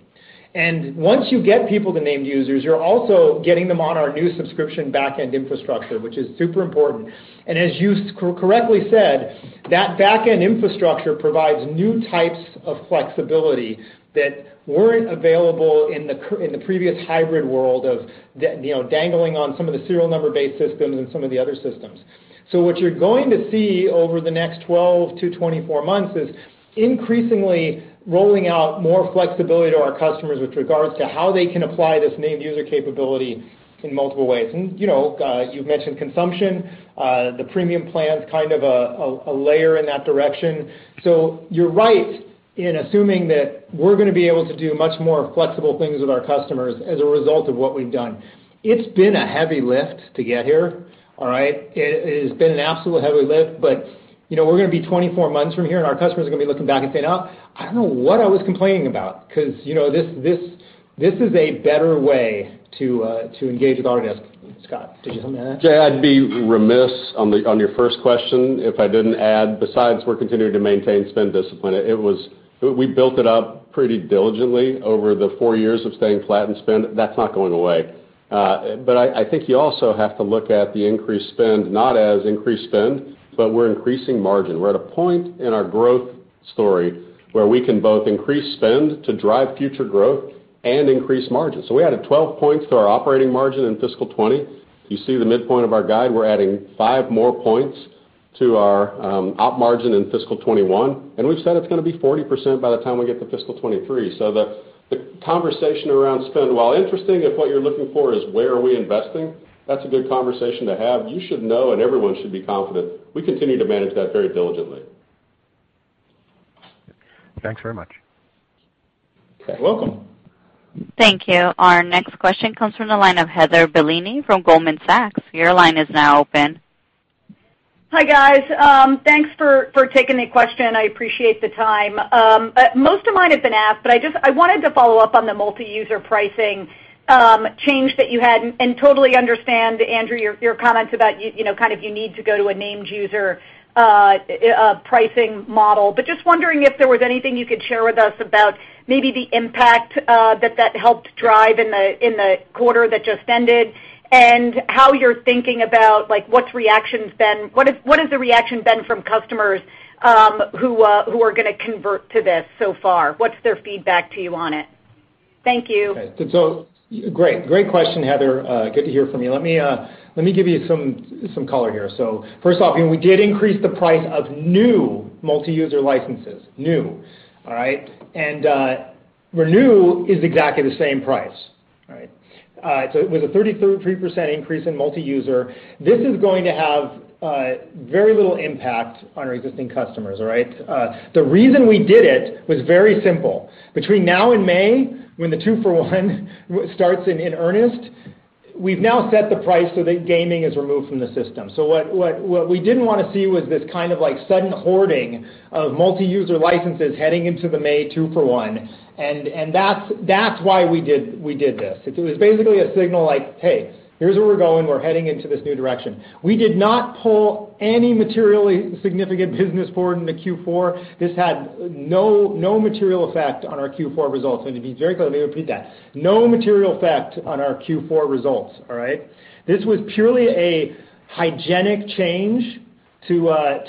Speaker 3: Once you get people to named users, you're also getting them on our new subscription back-end infrastructure, which is super important. As you correctly said, that back-end infrastructure provides new types of flexibility that weren't available in the previous hybrid world of dangling on some of the serial number-based systems and some of the other systems. What you're going to see over the next 12 to 24 months is increasingly rolling out more flexibility to our customers with regards to how they can apply this named user capability in multiple ways. You've mentioned consumption, the premium plans kind of a layer in that direction. You're right in assuming that we're going to be able to do much more flexible things with our customers as a result of what we've done. It's been a heavy lift to get here. All right? It has been an absolute heavy lift, but we're going to be 24 months from here, and our customers are going to be looking back and saying, "Oh, I don't know what I was complaining about," because this is a better way to engage with Autodesk. Scott, did you have something to add?
Speaker 4: Jay, I'd be remiss on your first question if I didn't add, besides, we're continuing to maintain spend discipline. We built it up pretty diligently over the four years of staying flat in spend. That's not going away. I think you also have to look at the increased spend, not as increased spend, but we're increasing margin. We're at a point in our growth story where we can both increase spend to drive future growth and increase margins. We added 12 points to our operating margin in fiscal 2020. You see the midpoint of our guide, we're adding five more points to our op margin in fiscal 2021, and we've said it's going to be 40% by the time we get to fiscal 2023. The conversation around spend, while interesting, if what you're looking for is where are we investing, that's a good conversation to have. You should know, and everyone should be confident, we continue to manage that very diligently.
Speaker 8: Thanks very much.
Speaker 3: You're welcome.
Speaker 1: Thank you. Our next question comes from the line of Heather Bellini from Goldman Sachs. Your line is now open.
Speaker 9: Hi, guys. Thanks for taking the question. I appreciate the time. Most of mine have been asked, but I wanted to follow up on the multi-user pricing change that you had. Totally understand, Andrew, your comments about you need to go to a named user pricing model. Just wondering if there was anything you could share with us about maybe the impact that helped drive in the quarter that just ended, and how you're thinking about what has the reaction been from customers who are going to convert to this so far. What's their feedback to you on it? Thank you.
Speaker 3: Okay. Great question, Heather. Good to hear from you. Let me give you some color here. First off, we did increase the price of new multi-user licenses. New, all right. Renew is exactly the same price. All right. It was a 33% increase in multi-user. This is going to have very little impact on our existing customers. All right. The reason we did it was very simple. Between now and May, when the 2 for 1 starts in earnest, we've now set the price so that gaming is removed from the system. What we didn't want to see was this kind of sudden hoarding of multi-user licenses heading into the May 2 for 1, and that's why we did this. It was basically a signal like, "Hey, here's where we're going. We're heading into this new direction." We did not pull any materially significant business forward into Q4. This had no material effect on our Q4 results. To be very clear, let me repeat that. No material effect on our Q4 results. All right. This was purely a hygienic change to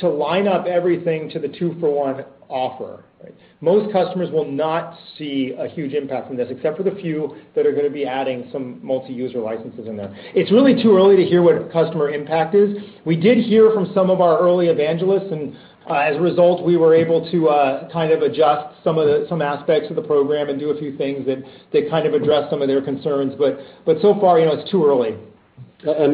Speaker 3: line up everything to the 2 for 1 offer. Most customers will not see a huge impact from this, except for the few that are going to be adding some multi-user licenses in there. It's really too early to hear what customer impact is. We did hear from some of our early evangelists, as a result, we were able to kind of adjust some aspects of the program and do a few things that kind of addressed some of their concerns. So far, it's too early.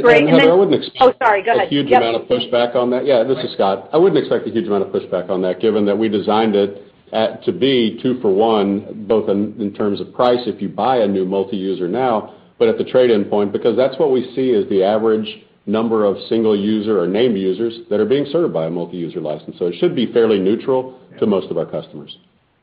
Speaker 9: Great.
Speaker 4: Heather, I wouldn't. Oh, sorry. Go ahead. Yep. A huge amount of pushback on that. Yeah, this is Scott. I wouldn't expect a huge amount of pushback on that given that we designed it to be two for one, both in terms of price, if you buy a new multi-user now, but at the trade-in point. That's what we see as the average number of single user or named users that are being served by a multi-user license. It should be fairly neutral to most of our customers.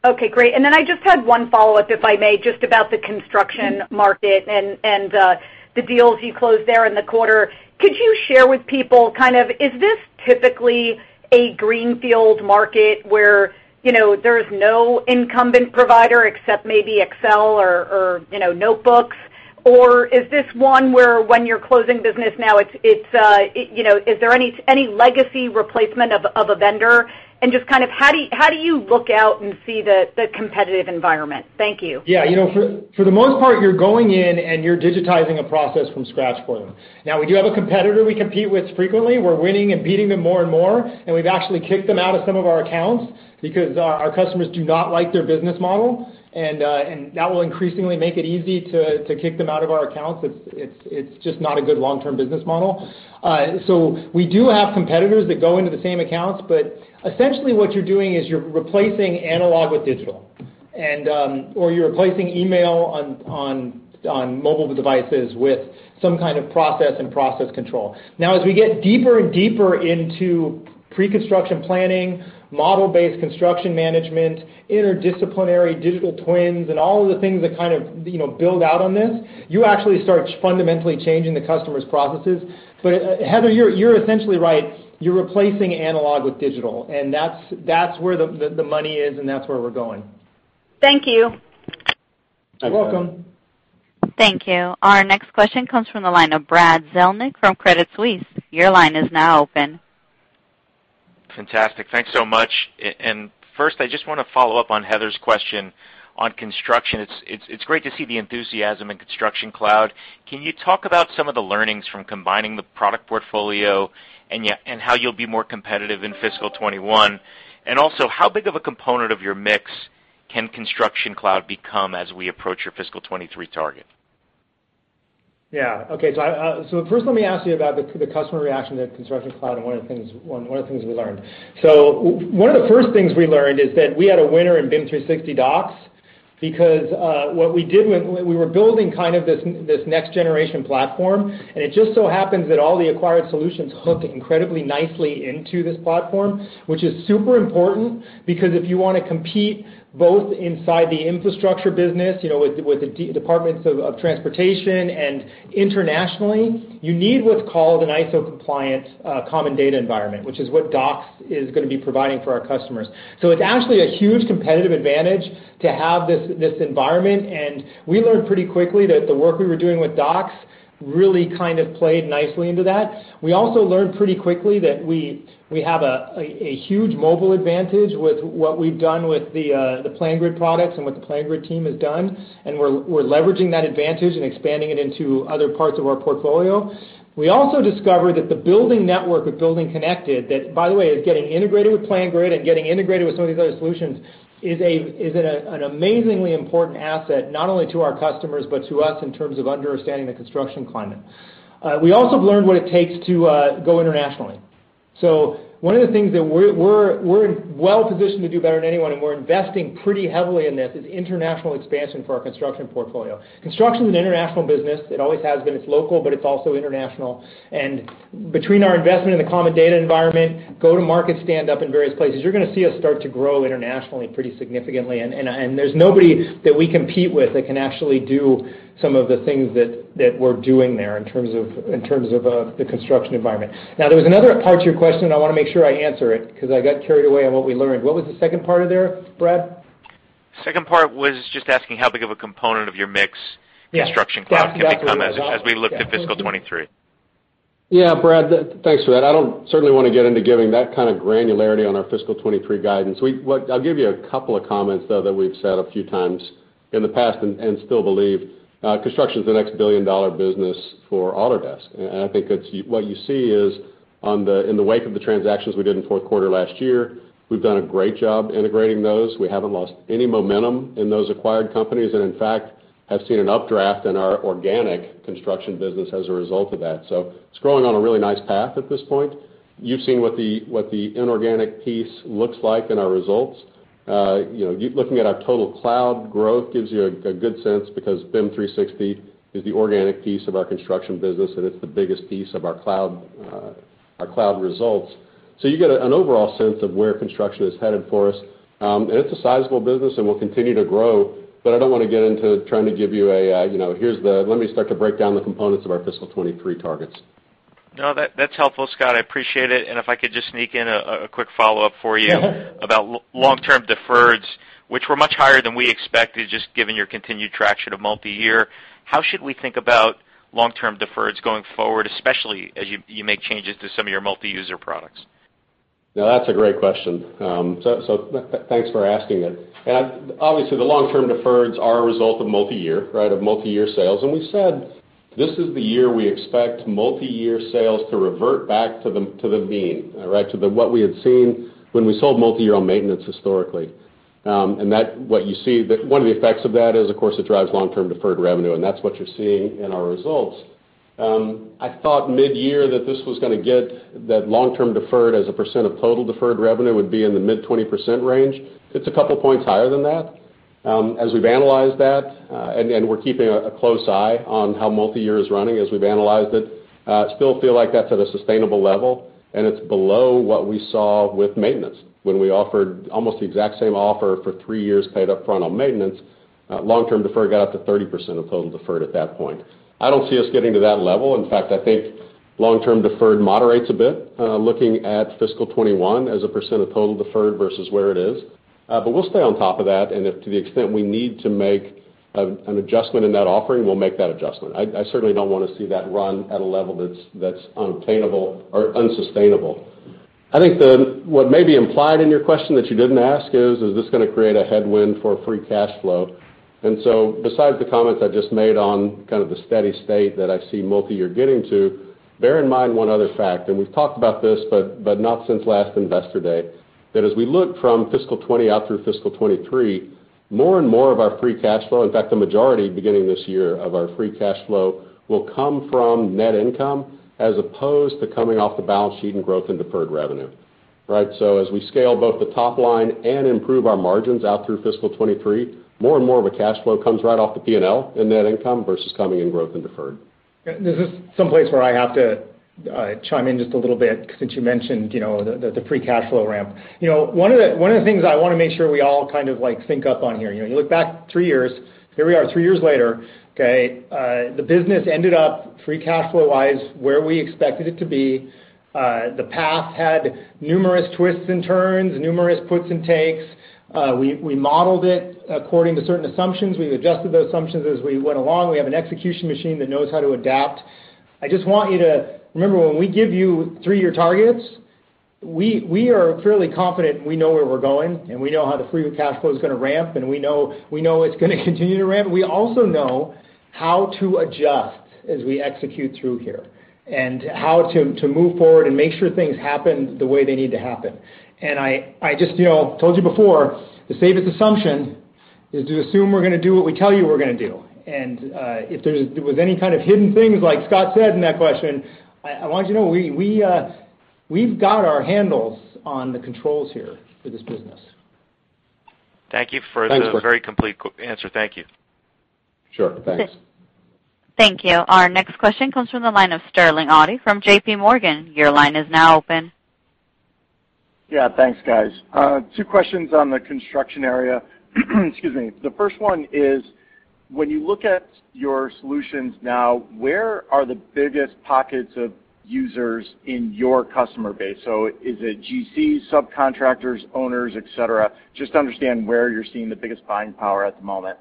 Speaker 9: Okay. Great. I just had one follow-up, if I may, just about the construction market and the deals you closed there in the quarter. Could you share with people, is this typically a greenfield market where there's no incumbent provider except maybe Excel or notebooks? Is this one where when you're closing business now, is there any legacy replacement of a vendor? Just how do you look out and see the competitive environment? Thank you.
Speaker 3: For the most part, you're going in and you're digitizing a process from scratch for them. We do have a competitor we compete with frequently. We're winning and beating them more and more, and we've actually kicked them out of some of our accounts because our customers do not like their business model. That will increasingly make it easy to kick them out of our accounts. It's just not a good long-term business model. We do have competitors that go into the same accounts, but essentially what you're doing is you're replacing analog with digital. You're replacing email on mobile devices with some kind of process and process control. As we get deeper and deeper into preconstruction planning, model-based construction management, interdisciplinary digital twins, and all of the things that build out on this, you actually start fundamentally changing the customer's processes. Heather, you're essentially right. You're replacing analog with digital, and that's where the money is, and that's where we're going.
Speaker 9: Thank you.
Speaker 3: You're welcome.
Speaker 1: Thank you. Our next question comes from the line of Brad Zelnick from Credit Suisse. Your line is now open.
Speaker 10: Fantastic. Thanks so much. First, I just want to follow up on Heather's question on construction. It's great to see the enthusiasm in Construction Cloud. Can you talk about some of the learnings from combining the product portfolio and how you'll be more competitive in fiscal 2021? How big of a component of your mix can Construction Cloud become as we approach your fiscal 2023 target?
Speaker 3: Okay, first let me ask you about the customer reaction to Construction Cloud and one of the things we learned. One of the first things we learned is that we had a winner in BIM 360 Docs because what we did, we were building this next-generation platform, and it just so happens that all the acquired solutions hook incredibly nicely into this platform, which is super important because if you want to compete both inside the infrastructure business, with the departments of transportation, and internationally, you need what's called an ISO-compliant common data environment, which is what Docs is going to be providing for our customers. It's actually a huge competitive advantage to have this environment, and we learned pretty quickly that the work we were doing with Docs really played nicely into that. We also learned pretty quickly that we have a huge mobile advantage with what we've done with the PlanGrid products and what the PlanGrid team has done. We're leveraging that advantage and expanding it into other parts of our portfolio. We also discovered that the building network with BuildingConnected, that, by the way, is getting integrated with PlanGrid and getting integrated with some of these other solutions, is an amazingly important asset, not only to our customers, but to us in terms of understanding the construction climate. We also learned what it takes to go internationally. One of the things that we're well-positioned to do better than anyone, and we're investing pretty heavily in this, is international expansion for our construction portfolio. Construction's an international business. It always has been. It's local, but it's also international. Between our investment in the common data environment, go-to-market stand-up in various places, you're going to see us start to grow internationally pretty significantly. There's nobody that we compete with that can actually do some of the things that we're doing there in terms of the construction environment. There was another part to your question, and I want to make sure I answer it because I got carried away on what we learned. What was the second part there, Brad?
Speaker 10: Second part was just asking how big of a component of your mix.
Speaker 3: Yes.
Speaker 10: Construction Cloud can become as we look to fiscal 2023.
Speaker 3: Yeah, thank you.
Speaker 4: Yeah, Brad, thanks for that. I don't certainly want to get into giving that kind of granularity on our fiscal 2023 guidance. I'll give you a couple of comments, though, that we've said a few times in the past and still believe. Construction's the next billion-dollar business for Autodesk. I think what you see is in the wake of the transactions we did in the fourth quarter last year, we've done a great job integrating those. We haven't lost any momentum in those acquired companies. In fact, have seen an updraft in our organic construction business as a result of that. It's growing on a really nice path at this point. You've seen what the inorganic piece looks like in our results. Looking at our total cloud growth gives you a good sense because BIM 360 is the organic piece of our construction business, and it's the biggest piece of our cloud results. You get an overall sense of where construction is headed for us. It's a sizable business and will continue to grow, but I don't want to get into trying to give you a, "Let me start to break down the components of our fiscal 2023 targets.
Speaker 10: No, that's helpful, Scott. I appreciate it. If I could just sneak in a quick follow-up for you. About long-term deferreds, which were much higher than we expected, just given your continued traction of multi-year, how should we think about long-term deferreds going forward, especially as you make changes to some of your multi-user products?
Speaker 4: That's a great question. Thanks for asking it. Obviously, the long-term deferreds are a result of multi-year sales. We said this is the year we expect multi-year sales to revert back to the mean, to what we had seen when we sold multi-year on maintenance historically. What you see, one of the effects of that is, of course, it drives long-term deferred revenue, and that's what you're seeing in our results. I thought mid-year that this was going to get that long-term deferred as a percent of total deferred revenue would be in the mid-20% range. It's a couple points higher than that. As we've analyzed that, we're keeping a close eye on how multi-year is running as we've analyzed it, still feel like that's at a sustainable level, and it's below what we saw with maintenance when we offered almost the exact same offer for three years paid up front on maintenance. Long-term deferred got up to 30% of total deferred at that point. I don't see us getting to that level. In fact, I think long-term deferred moderates a bit, looking at fiscal 2021 as a percent of total deferred versus where it is. We'll stay on top of that, and if to the extent we need to make an adjustment in that offering, we'll make that adjustment. I certainly don't want to see that run at a level that's unattainable or unsustainable. I think what may be implied in your question that you didn't ask is this going to create a headwind for free cash flow? Besides the comments I just made on the steady state that I see multi-year getting to, bear in mind one other fact, and we've talked about this, but not since last investor day, that as we look from fiscal 2020 out through fiscal 2023, more and more of our free cash flow, in fact, the majority beginning this year of our free cash flow, will come from net income as opposed to coming off the balance sheet and growth in deferred revenue. As we scale both the top line and improve our margins out through fiscal 2023, more and more of a cash flow comes right off the P&L in net income versus coming in growth and deferred.
Speaker 3: This is someplace where I have to chime in just a little bit, since you mentioned the free cash flow ramp. One of the things I want to make sure we all think up on here, you look back three years. Here we are three years later. Okay. The business ended up, free cash flow-wise, where we expected it to be. The path had numerous twists and turns, numerous puts and takes. We modeled it according to certain assumptions. We've adjusted those assumptions as we went along. We have an execution machine that knows how to adapt. I just want you to remember when we give you three-year targets, we are fairly confident we know where we're going, and we know how the free cash flow is going to ramp, and we know it's going to continue to ramp. We also know how to adjust as we execute through here and how to move forward and make sure things happen the way they need to happen. I just told you before, the safest assumption is to assume we're going to do what we tell you we're going to do. If there was any kind of hidden things, like Scott said in that question, I want you to know we've got our handles on the controls here for this business.
Speaker 10: Thank you.
Speaker 3: Thanks, Brad.
Speaker 10: Very complete answer. Thank you.
Speaker 4: Sure. Thanks.
Speaker 1: Thank you. Our next question comes from the line of Sterling Auty from JPMorgan. Your line is now open.
Speaker 11: Yeah. Thanks, guys. Two questions on the construction area. Excuse me. The first one is, when you look at your solutions now, where are the biggest pockets of users in your customer base? Is it GCs, subcontractors, owners, et cetera? Just to understand where you're seeing the biggest buying power at the moment.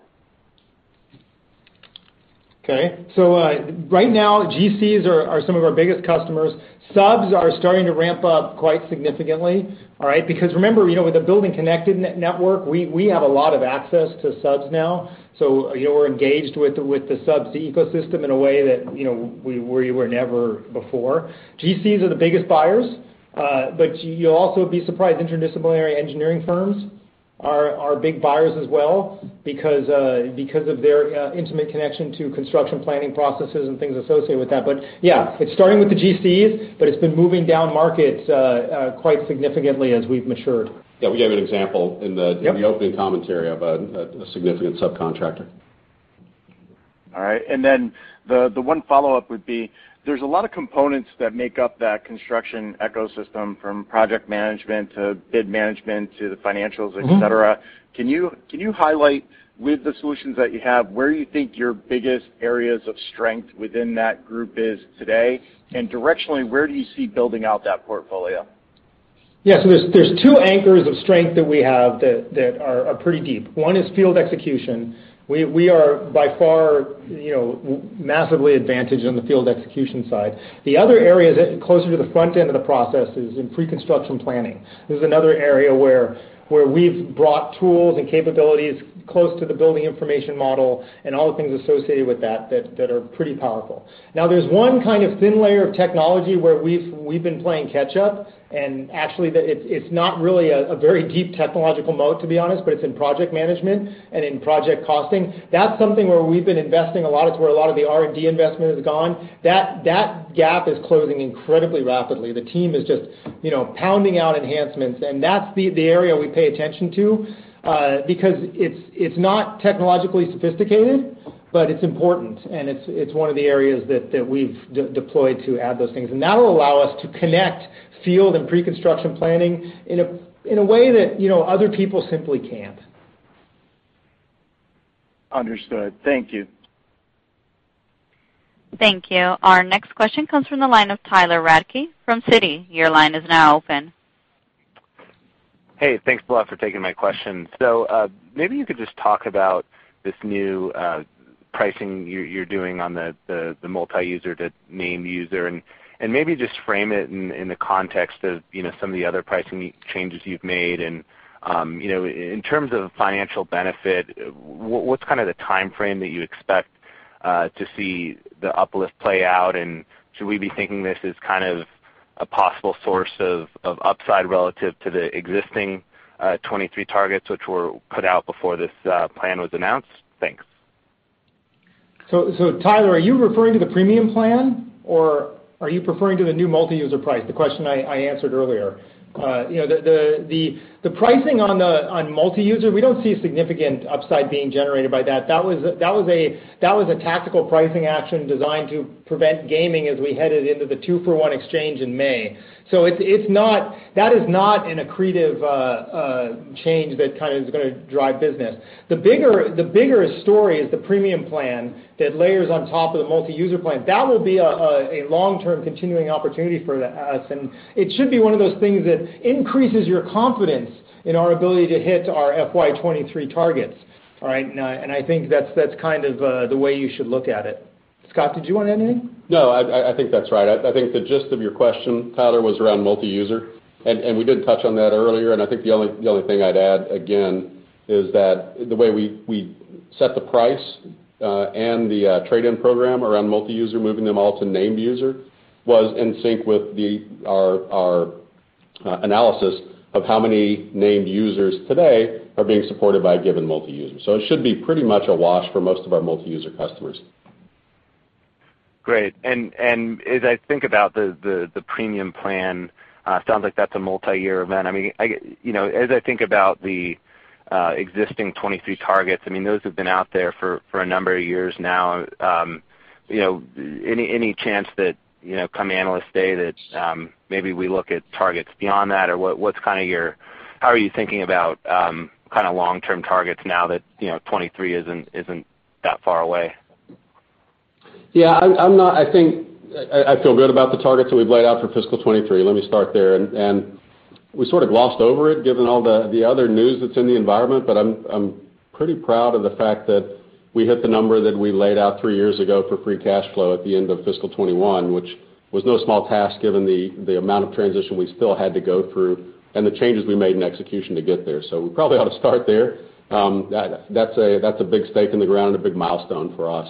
Speaker 3: Okay. Right now, GCs are some of our biggest customers. Subs are starting to ramp up quite significantly, all right, because remember, with the BuildingConnected network, we have a lot of access to subs now. We're engaged with the subs ecosystem in a way that we were never before. GCs are the biggest buyers. You'll also be surprised, interdisciplinary engineering firms are big buyers as well because of their intimate connection to construction planning processes and things associated with that. Yeah, it's starting with the GCs, but it's been moving down markets quite significantly as we've matured.
Speaker 4: Yeah, we gave an example.
Speaker 3: Yep
Speaker 4: Opening commentary of a significant subcontractor.
Speaker 11: All right. The one follow-up would be, there's a lot of components that make up that construction ecosystem, from project management to bid management to the financials, et cetera. Can you highlight, with the solutions that you have, where you think your biggest areas of strength within that group is today? Directionally, where do you see building out that portfolio?
Speaker 3: Yeah. There's two anchors of strength that we have that are pretty deep. One is field execution. We are by far massively advantaged on the field execution side. The other area is closer to the front end of the process, is in pre-construction planning. This is another area where we've brought tools and capabilities close to the Building Information Model and all the things associated with that that are pretty powerful. There's one kind of thin layer of technology where we've been playing catch up, and actually, it's not really a very deep technological moat, to be honest, but it's in project management and in project costing. That's something where we've been investing a lot. It's where a lot of the R&D investment has gone. That gap is closing incredibly rapidly. The team is just pounding out enhancements, and that's the area we pay attention to, because it's not technologically sophisticated, but it's important, and it's one of the areas that we've deployed to add those things. That'll allow us to connect field and pre-construction planning in a way that other people simply can't.
Speaker 11: Understood. Thank you.
Speaker 1: Thank you. Our next question comes from the line of Tyler Radke from Citi. Your line is now open.
Speaker 12: Hey, thanks a lot for taking my question. Maybe you could just talk about this new pricing you're doing on the multi-user to named-user, and maybe just frame it in the context of some of the other pricing changes you've made. In terms of financial benefit, what's the timeframe that you expect to see the uplift play out? Should we be thinking this as a possible source of upside relative to the existing 2023 targets, which were put out before this plan was announced? Thanks.
Speaker 3: Tyler, are you referring to the premium plan, or are you referring to the new multi-user price, the question I answered earlier? The pricing on multi-user, we don't see significant upside being generated by that. That was a tactical pricing action designed to prevent gaming as we headed into the 2-for-1 exchange in May. That is not an accretive change that is going to drive business. The bigger story is the premium plan that layers on top of the multi-user plan. That will be a long-term continuing opportunity for us, and it should be one of those things that increases your confidence in our ability to hit our FY 2023 targets. All right. I think that is the way you should look at it. Scott, did you want to add anything?
Speaker 4: I think that's right. I think the gist of your question, Tyler, was around multi-user. We did touch on that earlier. I think the only thing I'd add, again, is that the way we set the price and the trade-in program around multi-user, moving them all to named-user, was in sync with our analysis of how many named users today are being supported by a given multi-user. It should be pretty much a wash for most of our multi-user customers.
Speaker 12: Great. As I think about the premium plan, it sounds like that's a multi-year event. As I think about the existing 2023 targets, those have been out there for a number of years now. Any chance that come Analyst Day that maybe we look at targets beyond that? How are you thinking about long-term targets now that 2023 isn't that far away?
Speaker 4: Yeah. I feel good about the targets that we've laid out for fiscal 2023. Let me start there. We sort of glossed over it given all the other news that's in the environment, but I'm pretty proud of the fact that we hit the number that we laid out three years ago for free cash flow at the end of fiscal 2021, which was no small task given the amount of transition we still had to go through and the changes we made in execution to get there. We probably ought to start there. That's a big stake in the ground and a big milestone for us.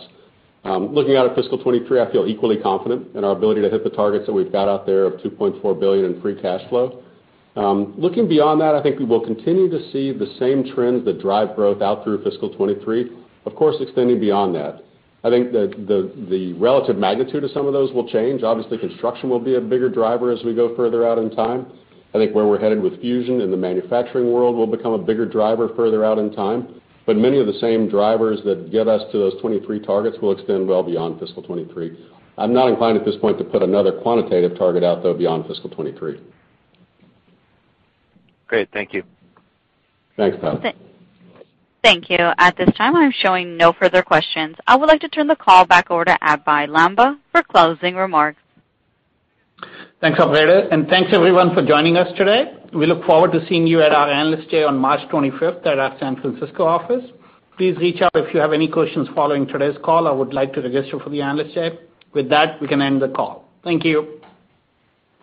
Speaker 4: Looking out at fiscal 2023, I feel equally confident in our ability to hit the targets that we've got out there of $2.4 billion in free cash flow. Looking beyond that, I think we will continue to see the same trends that drive growth out through fiscal 2023, of course, extending beyond that. I think the relative magnitude of some of those will change. Obviously, construction will be a bigger driver as we go further out in time. I think where we're headed with Fusion in the manufacturing world will become a bigger driver further out in time. Many of the same drivers that get us to those 2023 targets will extend well beyond fiscal 2023. I'm not inclined at this point to put another quantitative target out, though, beyond fiscal 2023.
Speaker 12: Great. Thank you.
Speaker 4: Thanks, Tyler.
Speaker 1: Thank you. At this time, I'm showing no further questions. I would like to turn the call back over to Abhey Lamba for closing remarks.
Speaker 2: Thanks, Operator, and thanks everyone for joining us today. We look forward to seeing you at our Analyst Day on March 25th at our San Francisco office. Please reach out if you have any questions following today's call or would like to register for the Analyst Day. With that, we can end the call. Thank you.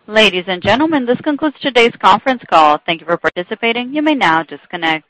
Speaker 1: Ladies and gentlemen, this concludes today's conference call. Thank you for participating. You may now disconnect.